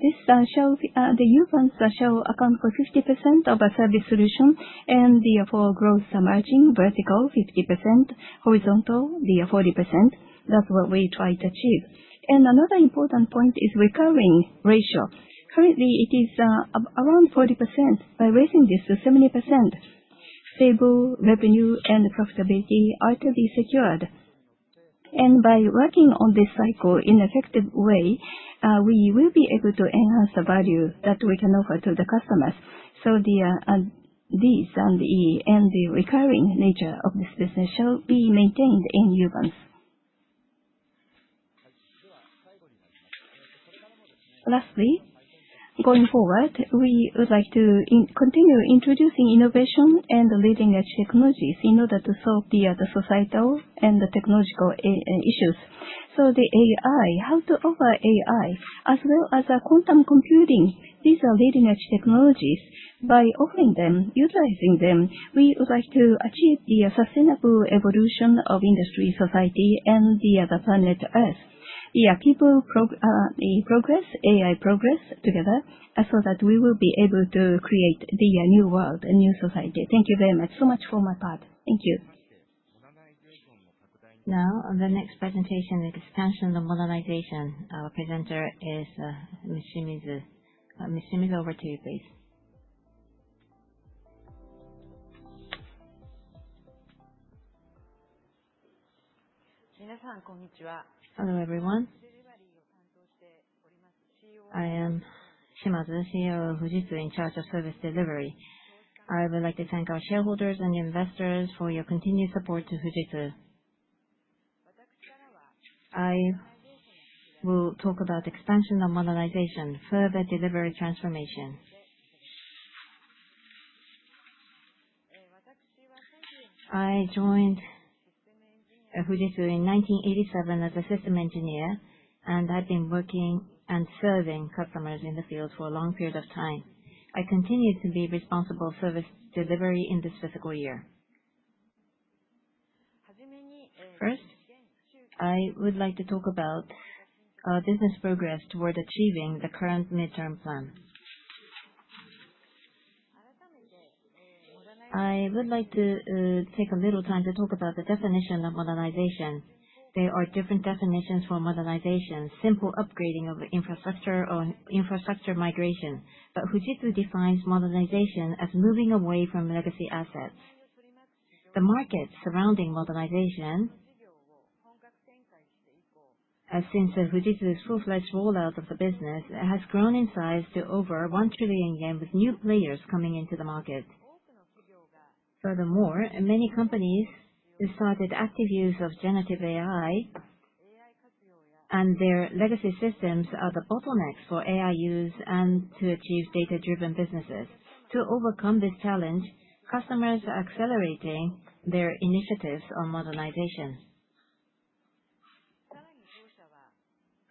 Uvance shall account for 50% of a Service Solution, and therefore, growth emerging Vertical 50%, Horizontal 40%. That's what we try to achieve. And another important point is recurring ratio. Currently, it is around 40%. By raising this to 70%, stable revenue and profitability are to be secured. And by working on this cycle in an effective way, we will be able to enhance the value that we can offer to the customers. So these and the recurring nature of this business shall be maintained in Uvance. Lastly, going forward, we would like to continue introducing innovation and leading-edge technologies in order to solve the societal and technological issues. So, the AI, how to offer AI, as well as quantum computing, these are leading-edge technologies. By offering them, utilizing them, we would like to achieve the sustainable evolution of industry, society, and the planet Earth. The people progress, AI progress together so that we will be able to create the new world, a new society. Thank you very much. So much for my part. Thank you. Now, the next presentation, the expansion and the modernization. Our presenter is Ms. Shimazu. Ms. Shimazu, over to you, please. I am Shimazu, COO of Fujitsu in charge of Service Delivery. I would like to thank our shareholders and investors for your continued support to Fujitsu. I will talk about expansion and modernization, further delivery transformation. I joined Fujitsu in 1987 as a system engineer, and I've been working and serving customers in the field for a long period of time. I continue to be responsible for service delivery in this fiscal year. First, I would like to talk about our business progress toward achieving the current midterm plan. I would like to take a little time to talk about the definition of modernization. There are different definitions for modernization: simple upgrading of infrastructure or infrastructure migration. But Fujitsu defines modernization as moving away from legacy assets. The market surrounding modernization, since Fujitsu's full-fledged rollout of the business, has grown in size to over 1 trillion yen, with new players coming into the market. Furthermore, many companies started active use of generative AI, and their legacy systems are the bottlenecks for AI use and to achieve data-driven businesses. To overcome this challenge, customers are accelerating their initiatives on modernization.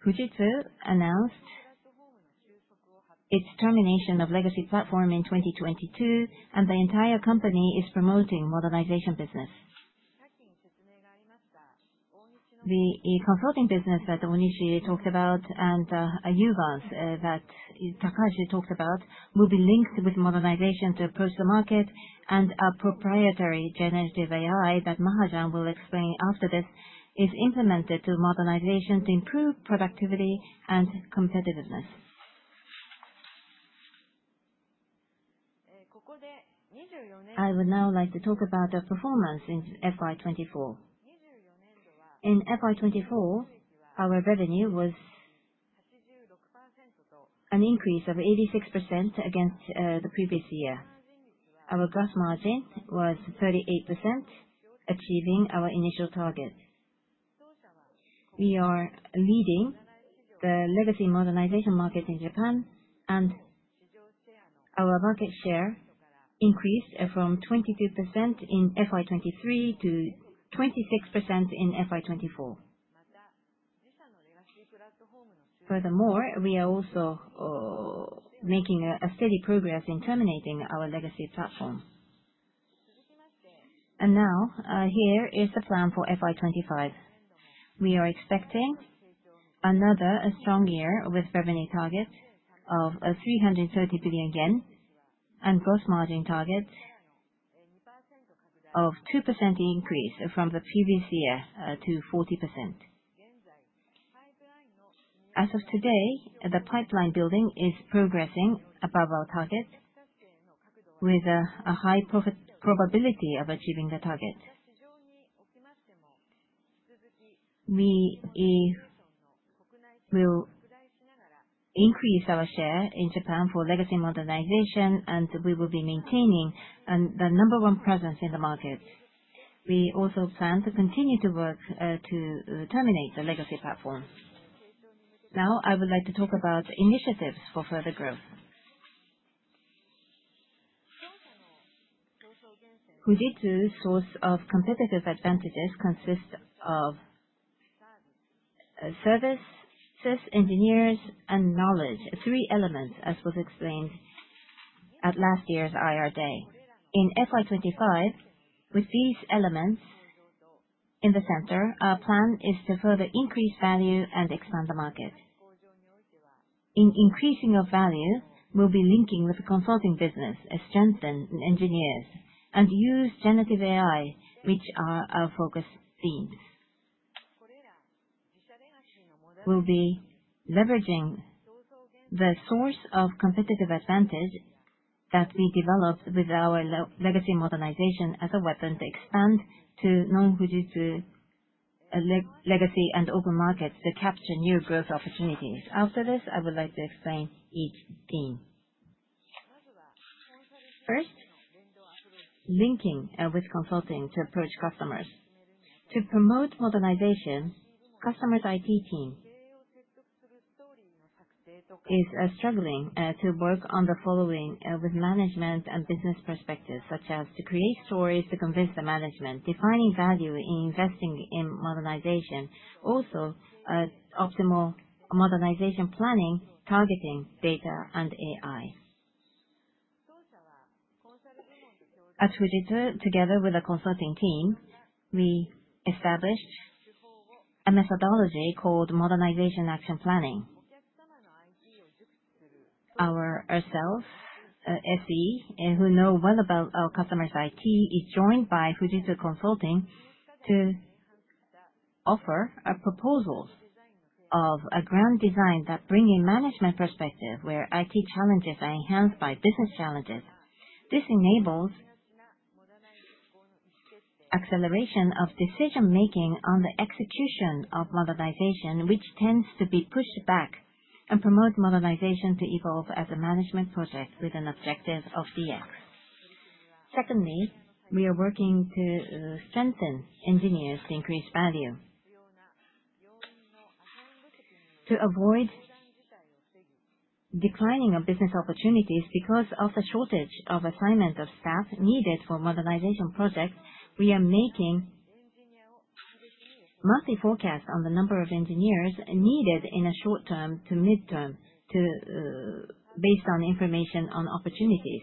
Fujitsu announced its termination of legacy platform in 2022, and the entire company is promoting Modernization business. The Consulting business that Onishi talked about and Uvance that Takahashi talked about will be linked with modernization to approach the market, and our proprietary generative AI that Mahajan will explain after this is implemented to Modernization to improve productivity and competitiveness. I would now like to talk about the performance in FY 2024. In FY 2024, our revenue was an increase of 86% against the previous year. Our gross margin was 38%, achieving our initial target. We are leading the legacy modernization market in Japan, and our market share increased from 22% in FY23 to 26% in FY 2024. Furthermore, we are also making steady progress in terminating our legacy platform, and now, here is the plan for FY 2025. We are expecting another strong year with revenue targets of 330 billion yen and gross margin targets of 2% increase from the previous year to 40%. As of today, the pipeline building is progressing above our target, with a high probability of achieving the target. We will increase our share in Japan for Legacy Modernization, and we will be maintaining the number one presence in the market. We also plan to continue to work to terminate the legacy platform. Now, I would like to talk about initiatives for further growth. Fujitsu's source of competitive advantages consists of services, engineers, and knowledge, three elements, as was explained at last year's IR day. In FY 2025, with these elements in the center, our plan is to further increase value and expand the market. In increasing our value, we'll be linking with the Consulting business, strengthen engineers, and use generative AI, which are our focus themes. We'll be leveraging the source of competitive advantage that we developed with our legacy modernization as a weapon to expand to non-Fujitsu legacy and open markets to capture new growth opportunities. After this, I would like to explain each theme. First, linking with consulting to approach customers. To promote modernization, customers' IT team is struggling to work on the following with management and business perspectives, such as to create stories to convince the management, defining value in investing in modernization, also optimal modernization planning, targeting data, and AI. At Fujitsu, together with a consulting team, we established a methodology called Modernization Action Planning. Our SEs, who know well about our customers' IT, are joined by Fujitsu Consulting to offer proposals of a grand design that brings in management perspective, where IT challenges are enhanced by business challenges. This enables acceleration of decision-making on the execution of modernization, which tends to be pushed back, and promotes modernization to evolve as a management project with an objective of DX. Secondly, we are working to strengthen engineers to increase value. To avoid declining of business opportunities because of the shortage of assignment of staff needed for modernization projects, we are making monthly forecasts on the number of engineers needed in a short term to midterm based on information on opportunities.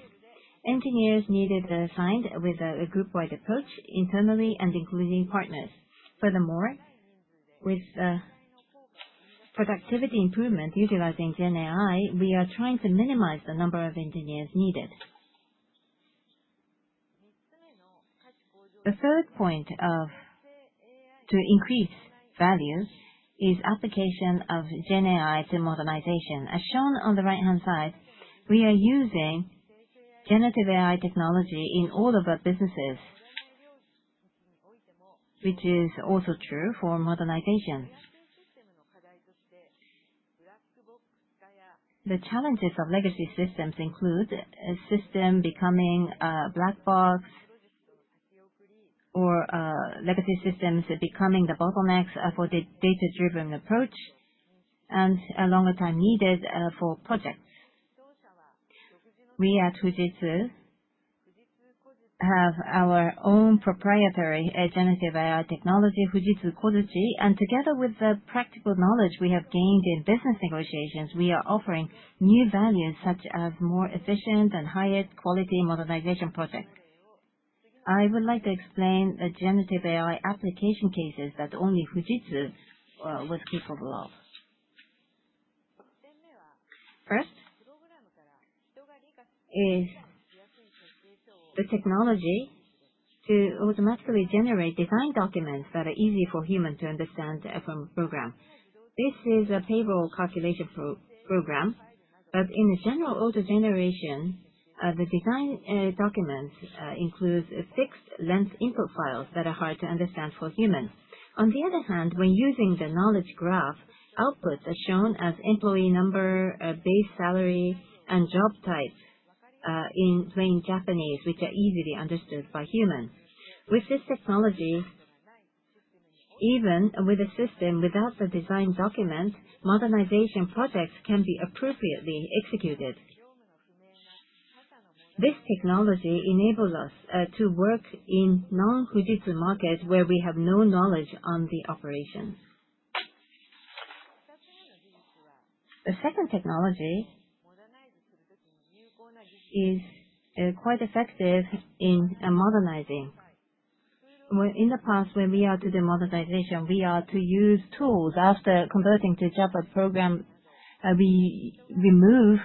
Engineers needed assigned with a group-wide approach internally and including partners. Furthermore, with productivity improvement utilizing GenAI, we are trying to minimize the number of engineers needed. The third point to increase value is application of GenAI to modernization. As shown on the right-hand side, we are using generative AI technology in all of our businesses, which is also true for modernization. The challenges of legacy systems include systems becoming black box or legacy systems becoming the bottlenecks for the data-driven approach and a longer time needed for projects. We at Fujitsu have our own proprietary generative AI technology, Fujitsu Kozuchi, and together with the practical knowledge we have gained in business negotiations, we are offering new values such as more efficient and higher quality modernization projects. I would like to explain the generative AI application cases that only Fujitsu was capable of. First, the technology to automatically generate design documents that are easy for humans to understand from a program. This is a payroll calculation program, but in a general autogeneration, the design documents include fixed length input files that are hard to understand for humans. On the other hand, when using the knowledge graph, outputs are shown as employee number, base salary, and job type in plain Japanese, which are easily understood by humans. With this technology, even with a system without the design document, modernization projects can be appropriately executed. This technology enables us to work in non-Fujitsu markets where we have no knowledge on the operation. The second technology is quite effective in modernizing. In the past, when we are to do modernization, we are to use tools. After converting to a Java program, we remove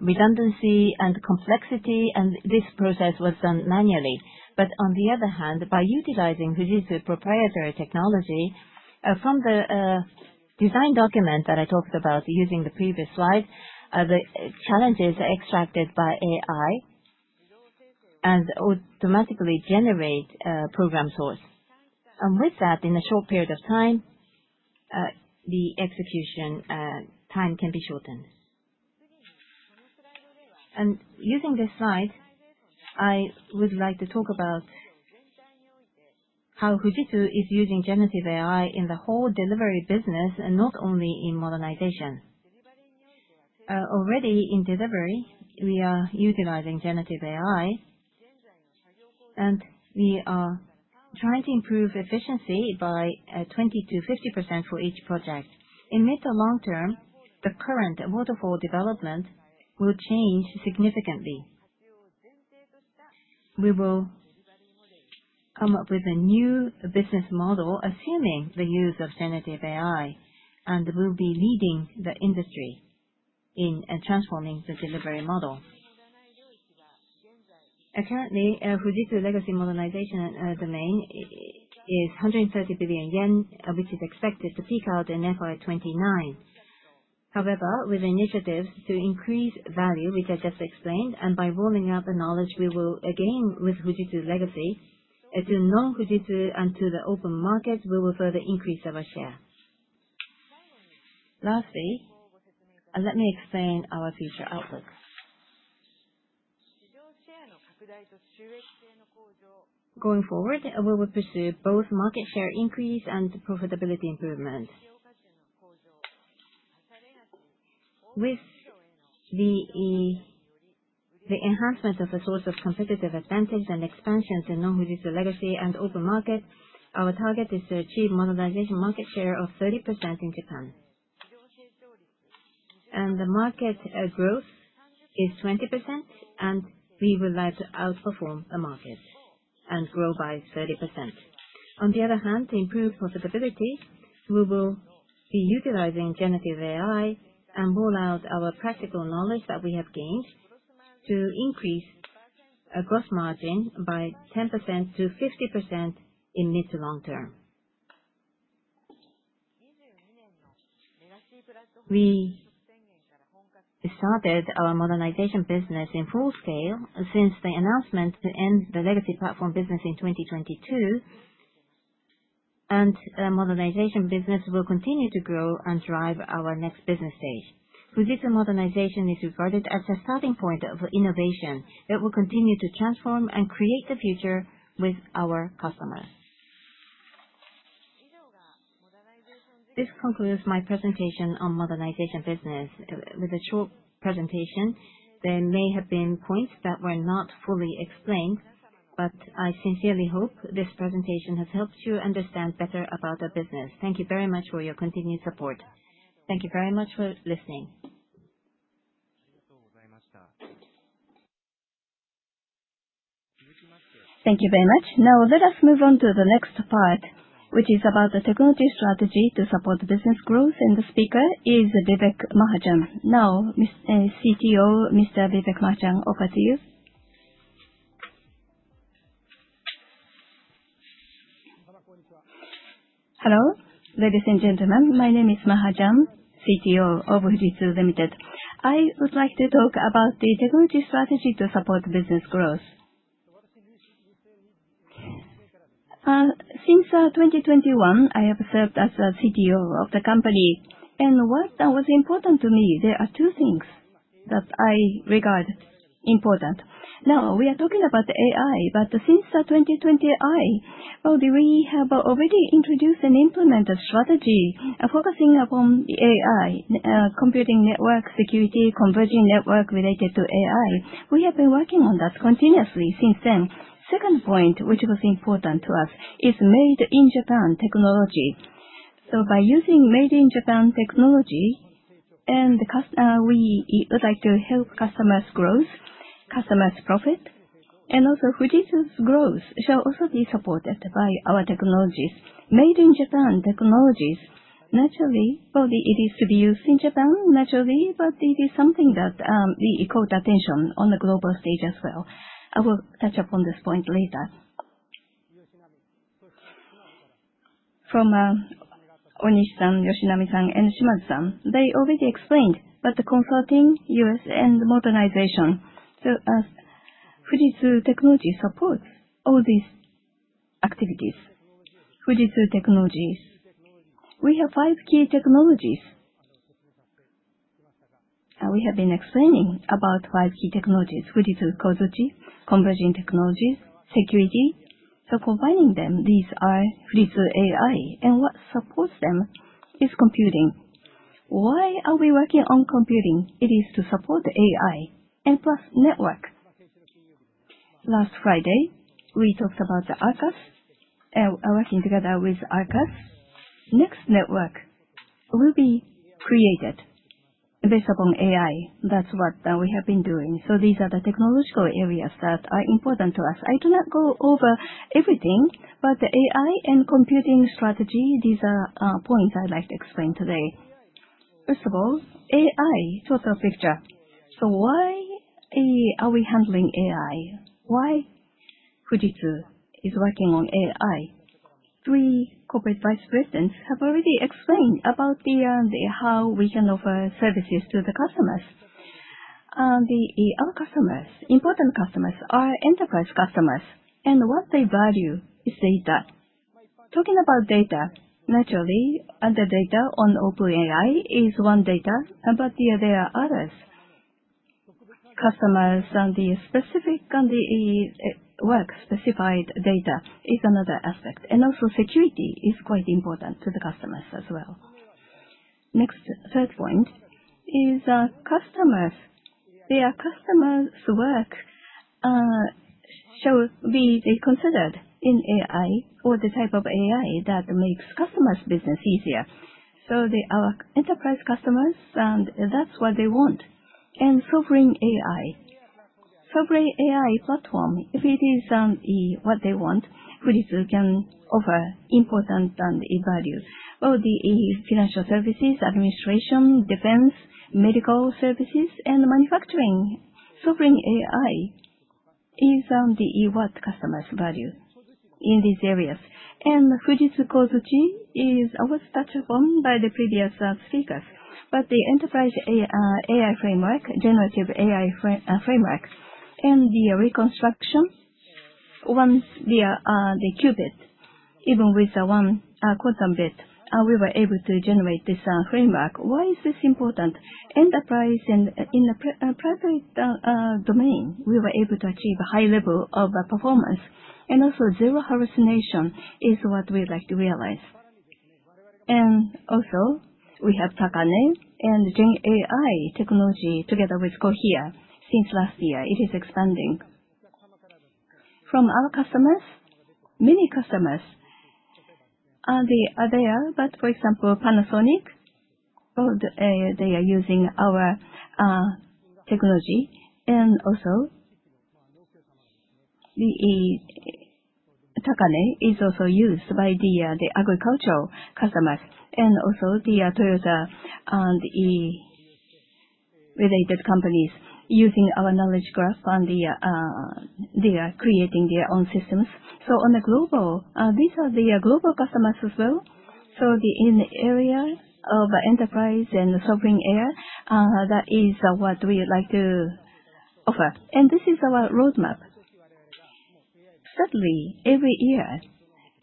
redundancy and complexity, and this process was done manually. But on the other hand, by utilizing Fujitsu proprietary technology, from the design document that I talked about using the previous slide, the challenges are extracted by AI and automatically generate program source. And with that, in a short period of time, the execution time can be shortened. And using this slide, I would like to talk about how Fujitsu is using generative AI in the whole delivery business and not only in modernization. Already in delivery, we are utilizing generative AI, and we are trying to improve efficiency by 20%-50% for each project. In mid to long term, the current waterfall development will change significantly. We will come up with a new business model assuming the use of generative AI and will be leading the industry in transforming the delivery model. Currently, Fujitsu's Legacy Modernization domain is 130 billion yen, which is expected to peak out in FY 2029. However, with initiatives to increase value, which I just explained, and by rolling out the knowledge we will gain with Fujitsu's legacy to non-Fujitsu and to the open markets, we will further increase our share. Lastly, let me explain our future outlook. Going forward, we will pursue both market share increase and profitability improvement. With the enhancement of the source of competitive advantage and expansion to non-Fujitsu legacy and open market, our target is to achieve modernization market share of 30% in Japan, and the market growth is 20%, and we would like to outperform the market and grow by 30%. On the other hand, to improve profitability, we will be utilizing generative AI and roll out our practical knowledge that we have gained to increase gross margin by 10%-50% in mid- to long-term. We started our modernization business in full scale since the announcement to end the legacy platform business in 2022, and the modernization business will continue to grow and drive our next business stage. Fujitsu modernization is regarded as a starting point of innovation that will continue to transform and create the future with our customers. This concludes my presentation on modernization business. With a short presentation, there may have been points that were not fully explained, but I sincerely hope this presentation has helped you understand better about the business. Thank you very much for your continued support. Thank you very much for listening. Thank you very much. Now, let us move on to the next part, which is about the technology strategy to support business growth, and the speaker is Vivek Mahajan. Now, CTO, Mr. Vivek Mahajan, over to you. Hello, ladies and gentlemen. My name is Mahajan, CTO of Fujitsu Limited. I would like to talk about the technology strategy to support business growth. Since 2021, I have served as a CTO of the company, and what was important to me. There are two things that I regard important. Now, we are talking about AI, but since 2020, we have already introduced and implemented a strategy focusing upon AI, computing network security, converging network related to AI. We have been working on that continuously since then. The second point, which was important to us, is made-in-Japan technology. So by using Made-in-Japan technology, we would like to help customers' growth, customers' profit, and also Fujitsu's growth shall also be supported by our technologies. Made-in-Japan technologies, naturally, it is to be used in Japan, naturally, but it is something that we equal attention on the global stage as well. I will touch upon this point later. From Onishi-san, Yoshinami-san, and Shimazu-san, they already explained that the Consulting, U.S, and Modernization. So Fujitsu technology supports all these activities. Fujitsu technologies. We have five key technologies. We have been explaining about five key technologies: Fujitsu Kozuchi, converging technologies, security. So combining them, these are Fujitsu AI, and what supports them is computing. Why are we working on computing? It is to support AI and plus network. Last Friday, we talked about the Arrcus. We are working together with Arrcus. Next network will be created based upon AI. That's what we have been doing. So these are the technological areas that are important to us. I do not go over everything, but the AI and computing strategy, these are points I'd like to explain today. First of all, AI total picture. So why are we handling AI? Why Fujitsu is working on AI? Three corporate vice presidents have already explained about how we can offer services to the customers. Our customers, important customers, are enterprise customers, and what they value is data. Talking about data, naturally, the data on OpenAI is one data, but there are others. Customers and the specific work specified data is another aspect. And also, security is quite important to the customers as well. Next, third point is customers. Their customers' work shall be considered in AI or the type of AI that makes customers' business easier. So they are enterprise customers, and that's what they want and Sovereign AI. Sovereign AI platform, if it is what they want, Fujitsu can offer important value. Well, the financial services, administration, defense, medical services, and manufacturing. Sovereign AI is what customers value in these areas. And Fujitsu Kozuchi is what was touched upon by the previous speakers. But the enterprise AI framework, generative AI framework, and the reconstruction, once the qubit, even with one quantum bit, we were able to generate this framework. Why is this important? Enterprise and in the private domain, we were able to achieve a high level of performance. And also, zero hallucination is what we'd like to realize. And also, we have Takane and GenAI technology together with Cohere since last year. It is expanding. From our customers, many customers are there, but for example, Panasonic, they are using our technology. And also, Takane is also used by the agricultural customers. And also, Toyota and related companies using our knowledge graph and they are creating their own systems. So on the global, these are the global customers as well. So the area of enterprise and sovereign AI, that is what we would like to offer. And this is our roadmap. Suddenly, every year,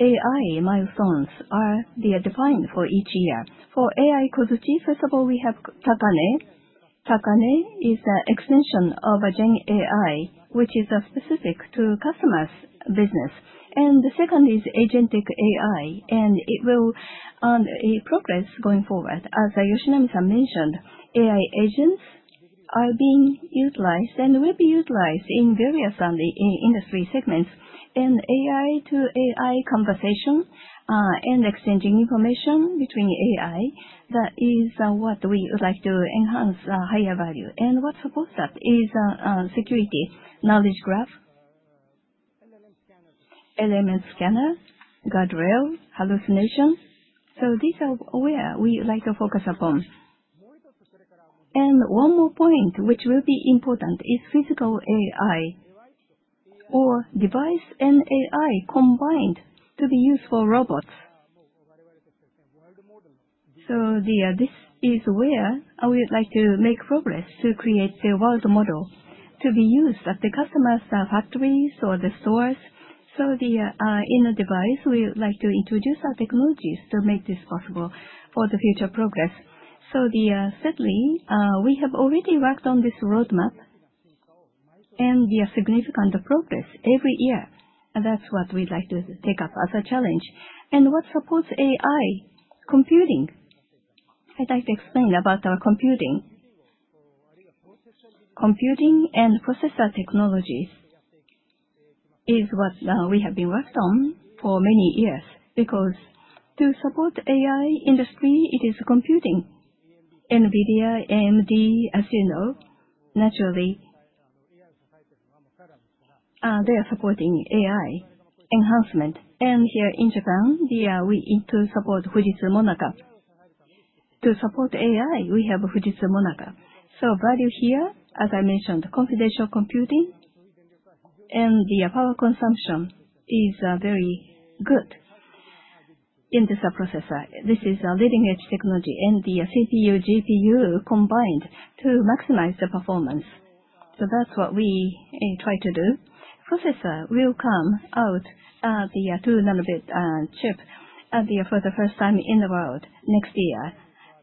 AI milestones are defined for each year. For AI Kozuchi, first of all, we have Takane. Takane is an extension of GenAI, which is specific to customers' business. And the second Agentic AI, and it will progress going forward. As Yoshinami-san mentioned, AI agents are being utilized and will be utilized in various industry segments. And AI to AI conversation and exchanging information between AI, that is what we would like to enhance higher value. And what supports that is security, knowledge graph, LLM scanner, guardrail, hallucination. These are where we would like to focus upon. One more point, which will be important, is physical AI or device and AI combined to be used for robots. This is where I would like to make progress to create the world model to be used at the customers' factories or the stores. In a device, we would like to introduce our technologies to make this possible for the future progress. Suddenly, we have already worked on this roadmap, and we are significantly progressing every year. That's what we'd like to take up as a challenge. What supports AI computing? I'd like to explain about our computing. Computing and processor technologies is what we have been worked on for many years because to support AI industry, it is computing. NVIDIA, AMD, as you know, naturally, they are supporting AI enhancement. Here in Japan, we need to support FUJITSU-MONAKA. To support AI, we have FUJITSU-MONAKA. Value here, as I mentioned, computation computing and the power consumption is very good in this processor. This is a leading-edge technology, and the CPU, GPU combined to maximize the performance. That's what we try to do. Processor will come out at the 2-nanometer chip for the first time in the world next year.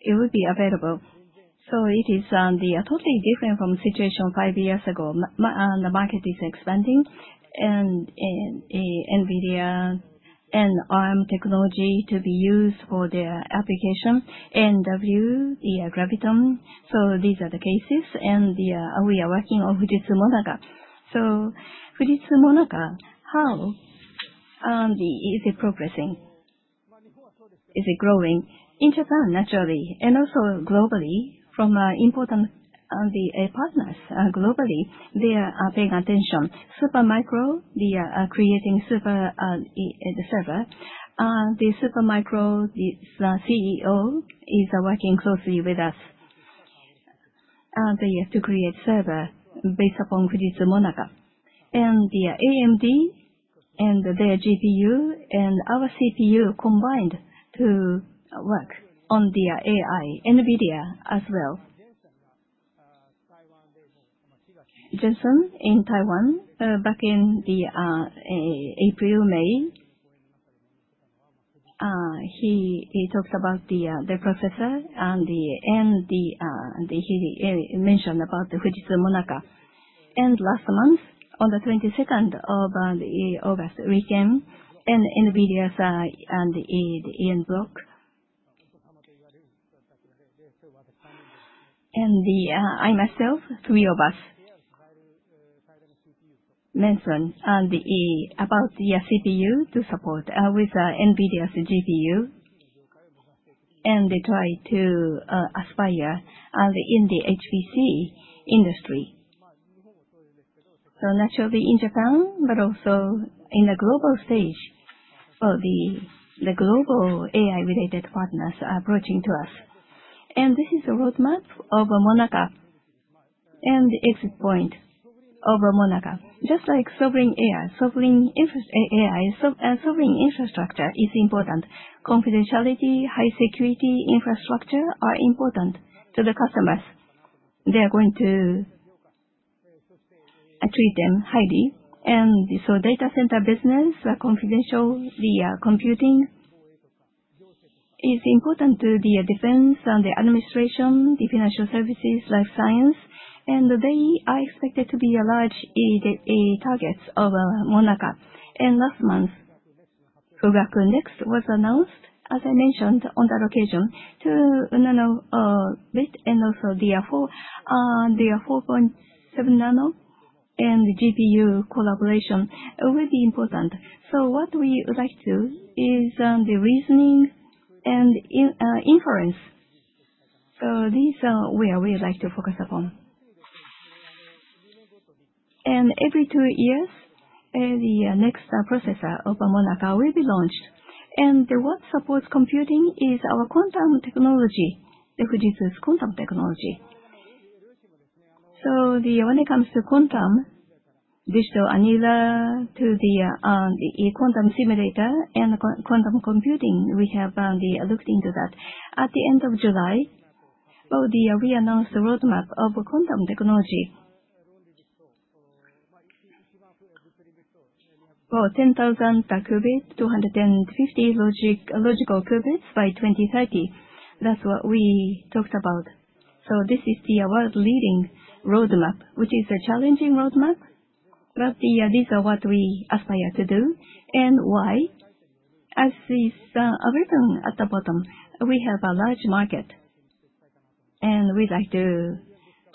It will be available. It is totally different from the situation five years ago. The market is expanding, and NVIDIA and ARM technology to be used for their application, and AWS, the Graviton. These are the cases, and we are working on FUJITSU-MONAKA. FUJITSU-MONAKA, how is it progressing? Is it growing? In Japan, naturally, and also globally, from important partners globally, they are paying attention. Supermicro, they are creating SuperServer. The Supermicro CEO is working closely with us to create server based upon FUJITSU-MONAKA. The AMD and their GPU and our CPU combined to work on the AI. NVIDIA as well. Jensen in Taiwan, back in April, May, he talked about the processor, and he mentioned about the FUJITSU-MONAKA. Last month, on the 22nd of August, we came and NVIDIA and the Ian Buck. I myself, three of us, mentioned about the CPU to support with NVIDIA's GPU, and they try to aspire in the HPC industry. Naturally, in Japan, but also in the global stage, the global AI-related partners are approaching to us. This is the roadmap of MONAKA and the exit point of MONAKA. Just like Sovereign AI, Sovereign infrastructure is important. Confidential computing, high security infrastructure are important to the customers. They are going to treat them highly. Data center business, confidential computing, is important to the defense and the administration, the financial services, life science, and they are expected to be large targets of MONAKA. Last month, FugakuNEXT was announced, as I mentioned on that occasion, 2-nanobit, and also the 4.7-nm and GPU collaboration will be important. What we would like to do is the reasoning and inference. These are where we would like to focus upon. Every two years, the next processor of MONAKA will be launched. What supports computing is our quantum technology, Fujitsu's quantum technology. When it comes to quantum, Digital Annealer, quantum simulator, and quantum computing, we have looked into that. At the end of July, well, we announced the roadmap of quantum technology, well, 10,000 qubits, 250 logical qubits by 2030. That's what we talked about. This is the world-leading roadmap, which is a challenging roadmap, but these are what we aspire to do. Why? As is written at the bottom, we have a large market, and we'd like to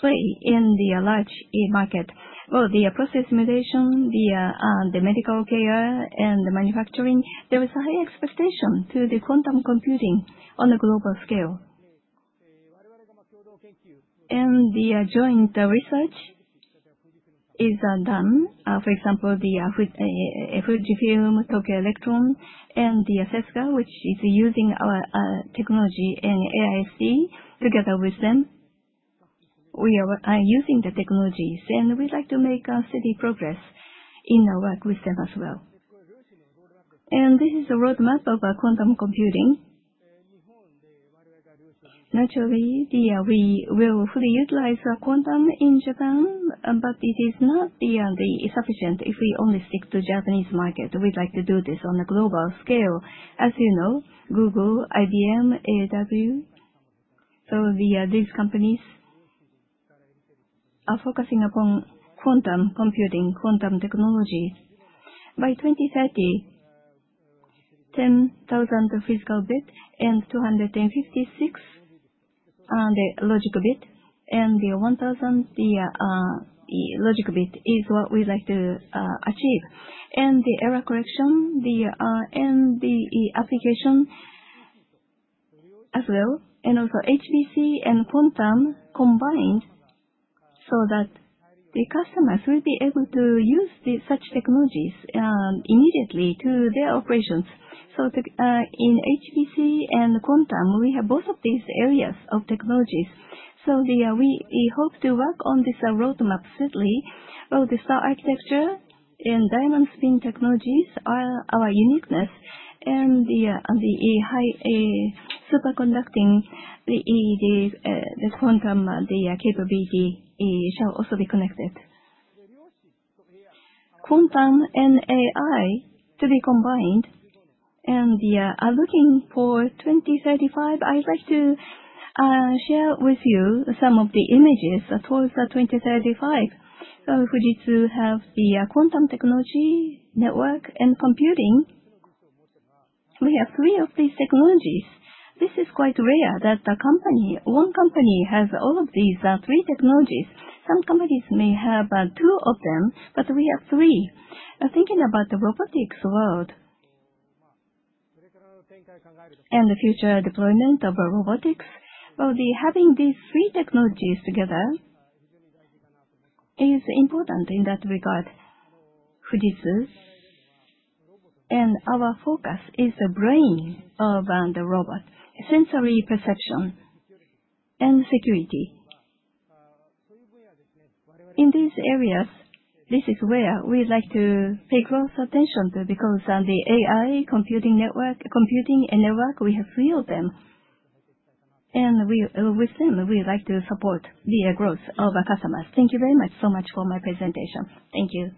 play in the large market. The process simulation, the medical care, and the manufacturing, there is a high expectation to the quantum computing on a global scale. The joint research is done. For example, the Fujifilm, Tokyo Electron, and the CESGA, which is using our technology and ASIC together with them. We are using the technologies, and we'd like to make steady progress in our work with them as well. This is the roadmap of quantum computing. Naturally, we will fully utilize quantum in Japan, but it is not sufficient if we only stick to the Japanese market. We'd like to do this on a global scale. As you know, Google, IBM, AWS, so these companies are focusing upon quantum computing, quantum technology. By 2030, 10,000 physical bits and 256 logical bits, and 1,000 logical bits is what we'd like to achieve, and the error correction and the application as well, and also HPC and quantum combined so that the customers will be able to use such technologies immediately to their operations. In HPC and quantum, we have both of these areas of technologies, so we hope to work on this roadmap swiftly. The STAR architecture and diamond spin technologies are our uniqueness, and the high superconducting, the quantum, the capability shall also be connected. Quantum and AI to be combined, and looking for 2035, I'd like to share with you some of the images towards 2035. Fujitsu has the quantum technology network and computing. We have three of these technologies. This is quite rare that one company has all of these three technologies. Some companies may have two of them, but we have three. Thinking about the robotics world and the future deployment of robotics, well, having these three technologies together is important in that regard. Fujitsu and our focus is the brain of the robot, sensory perception, and security. In these areas, this is where we'd like to pay close attention to because the AI computing network, we have three of them, and with them, we'd like to support the growth of our customers. Thank you very much so much for my presentation. Thank you.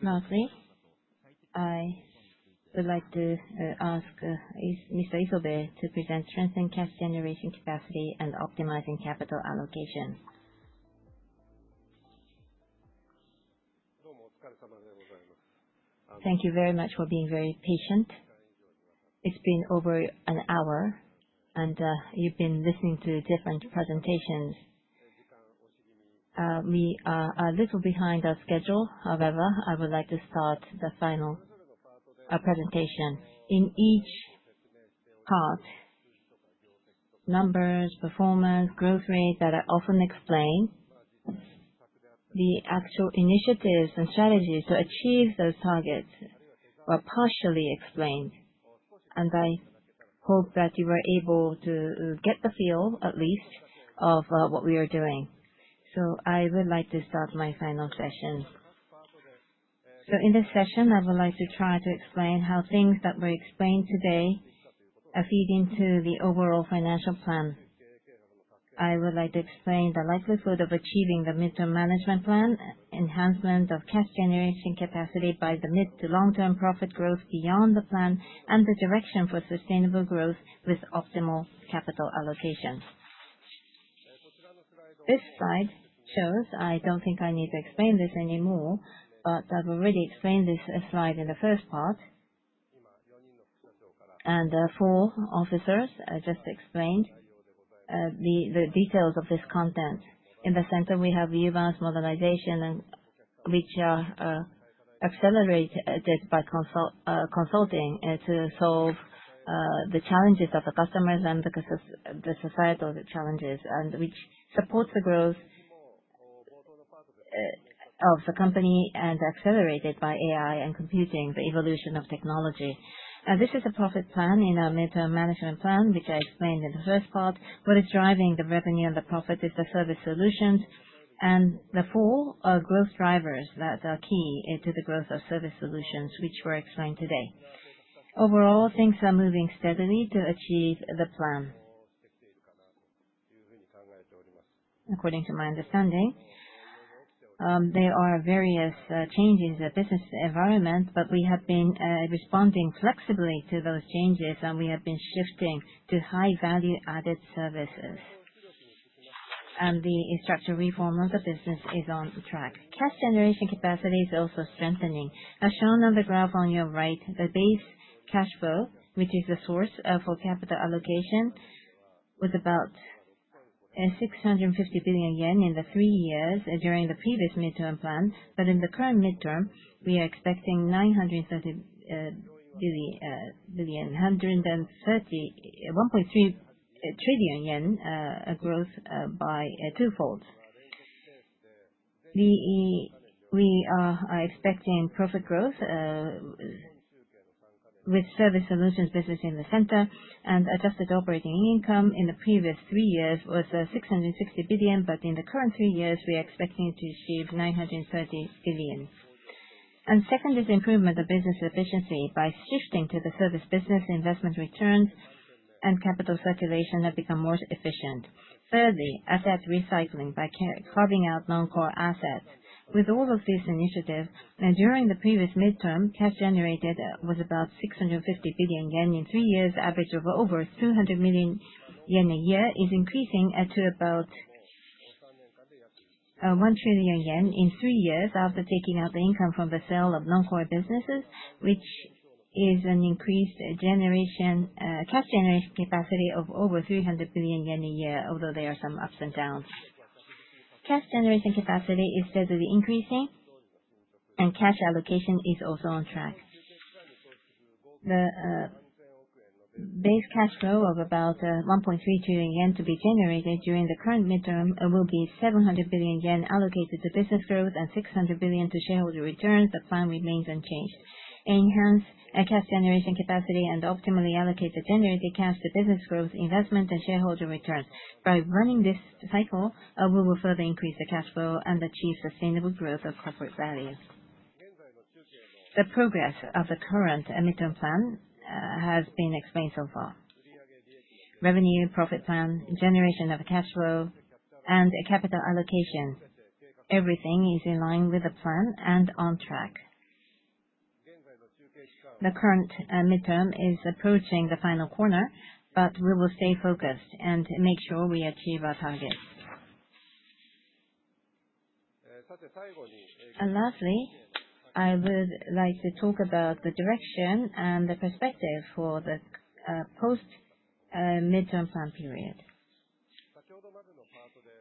Lastly, I would like to ask Mr. Isobe to present strengthening cash generation capacity and optimizing capital allocation. Thank you very much for being very patient. It's been over an hour, and you've been listening to different presentations. We are a little behind our schedule. However, I would like to start the final presentation. In each part, numbers, performance, growth rate that are often explained, the actual initiatives and strategies to achieve those targets were partially explained. I hope that you were able to get the feel at least of what we are doing. I would like to start my final session. In this session, I would like to try to explain how things that were explained today are feeding to the overall financial plan. I would like to explain the likelihood of achieving the medium-term management plan, enhancement of cash generation capacity by the medium- to long-term profit growth beyond the plan, and the direction for sustainable growth with optimal capital allocation. This slide shows. I don't think I need to explain this anymore, but I've already explained this slide in the first part. Four officers just explained the details of this content. In the center, we have the advanced modernization, which are accelerated by consulting to solve the challenges of the customers and the societal challenges, and which supports the growth of the company and accelerated by AI and computing, the evolution of technology. This is a profit plan in our Mid-Term Management Plan, which I explained in the first part. What is driving the revenue and the profit is the Service Solutions and the four growth drivers that are key to the growth of Service Solutions, which were explained today. Overall, things are moving steadily to achieve the plan. According to my understanding, there are various changes in the business environment, but we have been responding flexibly to those changes, and we have been shifting to high-value-added services. The structural reform of the business is on track. Cash generation capacity is also strengthening. As shown on the graph on your right, the base cash flow, which is the source for capital allocation, was about 650 billion yen in the three years during the previous midterm plan, but in the current midterm, we are expecting JPY 1.3 trillion growth by twofold. We are expecting profit growth with Service Solutions business in the center, and adjusted operating income in the previous three years was 660 billion, but in the current three years, we are expecting to achieve 930 billion, and second is improvement of business efficiency by shifting to the service business. Investment returns and capital circulation have become more efficient. Thirdly, asset recycling by carving out non-core assets. With all of these initiatives, during the previous midterm, cash generated was about 650 billion yen in three years. Average of over 200 million yen a year is increasing to about 1 trillion yen in three years after taking out the income from the sale of non-core businesses, which is an increased cash generation capacity of over 300 billion yen a year, although there are some ups and downs. Cash generation capacity is steadily increasing, and cash allocation is also on track. The base cash flow of about 1.3 trillion yen to be generated during the current midterm will be 700 billion yen allocated to business growth and 600 billion to shareholder returns. The plan remains unchanged. Enhance cash generation capacity and optimally allocate the generated cash to business growth, investment, and shareholder returns. By running this cycle, we will further increase the cash flow and achieve sustainable growth of corporate value. The progress of the current midterm plan has been explained so far. Revenue, profit plan, generation of cash flow, and capital allocation. Everything is in line with the plan and on track. The current midterm is approaching the final corner, but we will stay focused and make sure we achieve our targets. Lastly, I would like to talk about the direction and the perspective for the post-midterm plan period.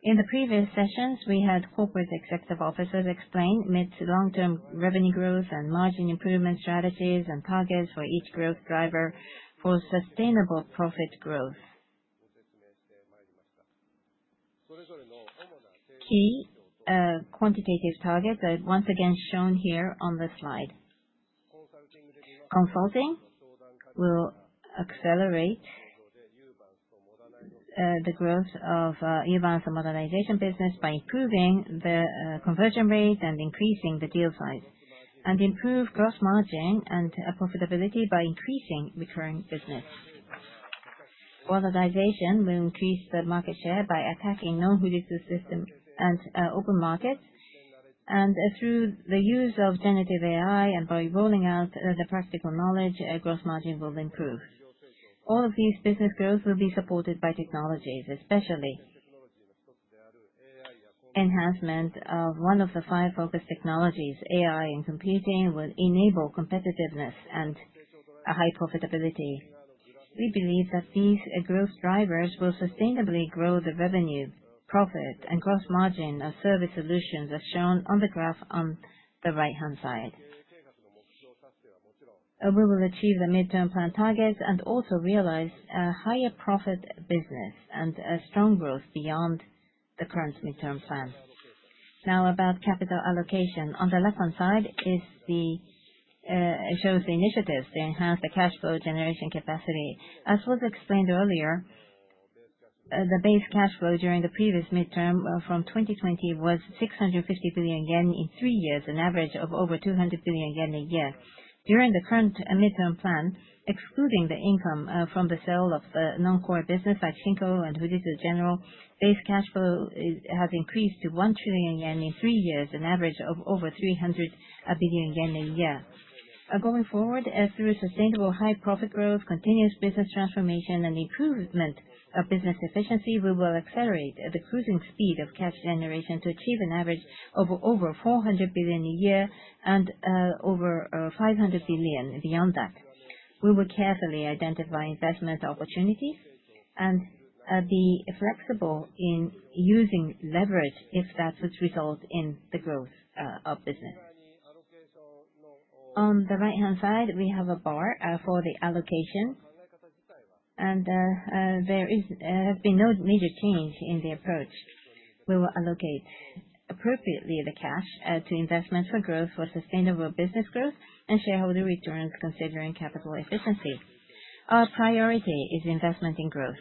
In the previous sessions, we had corporate executive officers explain mid- to long-term revenue growth and margin improvement strategies and targets for each growth driver for sustainable profit growth. Key quantitative targets are once again shown here on the slide. Consulting will accelerate the growth of advanced modernization business by improving the conversion rate and increasing the deal size, and improve gross margin and profitability by increasing recurring business. Modernization will increase the market share by attacking non-Fujitsu systems and open markets, and through the use of generative AI and by rolling out the practical knowledge. Gross margin will improve. All of these business growth will be supported by technologies. Especially enhancement of one of the five focus technologies, AI and computing, will enable competitiveness and high profitability. We believe that these growth drivers will sustainably grow the revenue, profit, and gross margin of Service Solutions as shown on the graph on the right-hand side. We will achieve the midterm plan targets and also realize a higher profit business and strong growth beyond the current midterm plan. Now, about capital allocation, on the left-hand side shows the initiatives to enhance the cash flow generation capacity. As was explained earlier, the base cash flow during the previous midterm from 2020 was 650 billion yen in three years, an average of over 200 billion yen a year. During the current Mid-Term Plan, excluding the income from the sale of the non-core business like Shinko and Fujitsu General, base cash flow has increased to 1 trillion yen in three years, an average of over 300 billion yen a year. Going forward, through sustainable high profit growth, continuous business transformation, and improvement of business efficiency, we will accelerate the cruising speed of cash generation to achieve an average of over 400 billion a year and over 500 billion beyond that. We will carefully identify investment opportunities and be flexible in using leverage if that would result in the growth of business. On the right-hand side, we have a bar for the allocation, and there has been no major change in the approach. We will allocate appropriately the cash to investments for growth, for sustainable business growth, and shareholder returns considering capital efficiency. Our priority is investment in growth.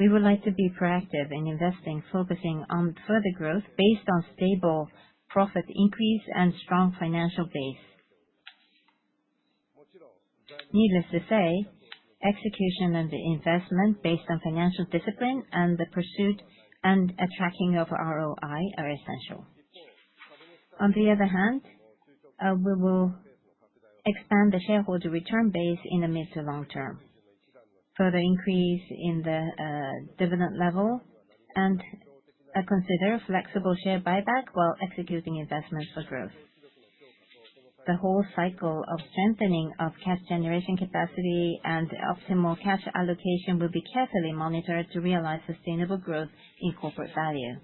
We would like to be proactive in investing, focusing on further growth based on stable profit increase and strong financial base. Needless to say, execution and investment based on financial discipline and the pursuit and tracking of ROI are essential. On the other hand, we will expand the shareholder return base in the mid to long term, further increase in the dividend level, and consider flexible share buyback while executing investments for growth. The whole cycle of strengthening of cash generation capacity and optimal cash allocation will be carefully monitored to realize sustainable growth in corporate value.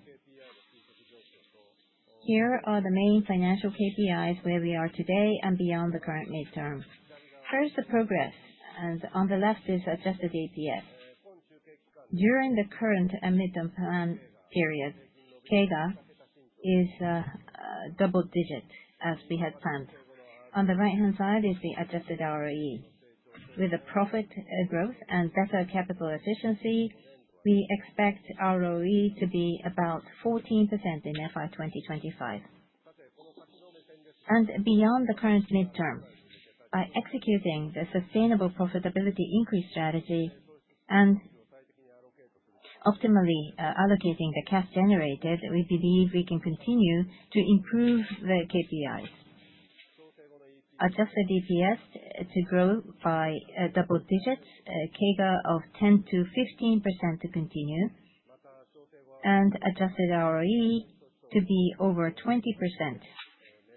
Here are the main financial KPIs where we are today and beyond the current midterm. First, the progress, and on the left is adjusted EPS. During the current Mid-Term Plan period, CAGR is double-digit as we had planned. On the right-hand side is the adjusted ROE. With the profit growth and better capital efficiency, we expect ROE to be about 14% in FY 2025. Beyond the current midterm, by executing the sustainable profitability increase strategy and optimally allocating the cash generated, we believe we can continue to improve the KPIs. Adjusted EPS to grow by double-digits, CAGR of 10%-15% to continue, and adjusted ROE to be over 20%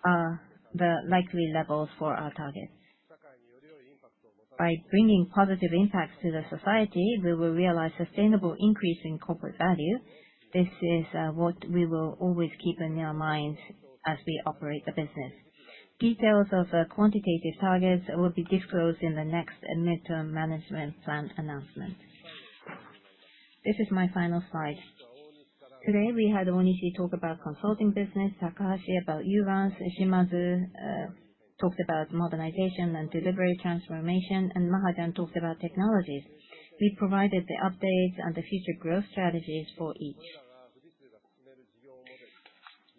are the likely levels for our target. By bringing positive impacts to the society, we will realize sustainable increase in corporate value. This is what we will always keep in our minds as we operate the business. Details of quantitative targets will be disclosed in the next Mid-Term Management Plan announcement. This is my final slide. Today, we had Onishi talk about Consulting business, Takahashi about advanced, Shimazu talked about modernization and delivery transformation, and Mahajan talked about technologies. We provided the updates and the future growth strategies for each.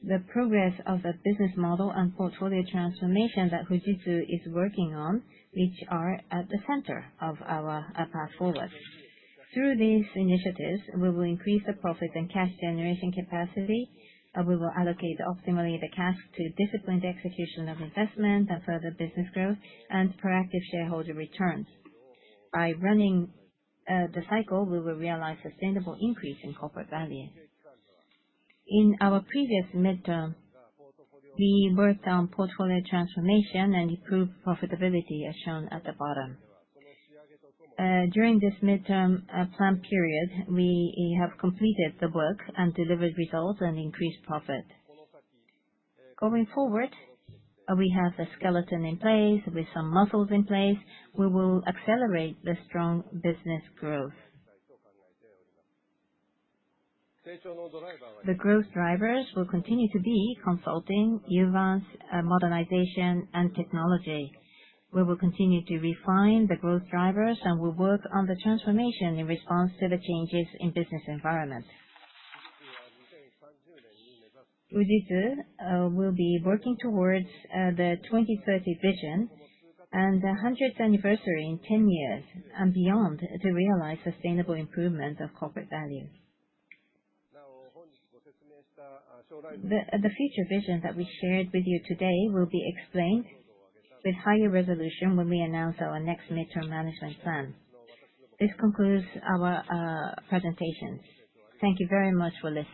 The progress of the business model and portfolio transformation that Fujitsu is working on, which are at the center of our path forward. Through these initiatives, we will increase the profit and cash generation capacity. We will allocate optimally the cash to discipline the execution of investment and further business growth and proactive shareholder returns. By running the cycle, we will realize sustainable increase in corporate value. In our previous midterm, we worked on portfolio transformation and improved profitability as shown at the bottom. During this Mid-Term Plan period, we have completed the work and delivered results and increased profit. Going forward, we have the skeleton in place with some muscles in place. We will accelerate the strong business growth. The growth drivers will continue to be consulting, advanced modernization, and technology. We will continue to refine the growth drivers and will work on the transformation in response to the changes in business environment. Fujitsu will be working towards the 2030 vision and the 100th anniversary in 10 years and beyond to realize sustainable improvement of corporate value. The future vision that we shared with you today will be explained with higher resolution when we announce our next midterm management plan. This concludes our presentation. Thank you very much for listening.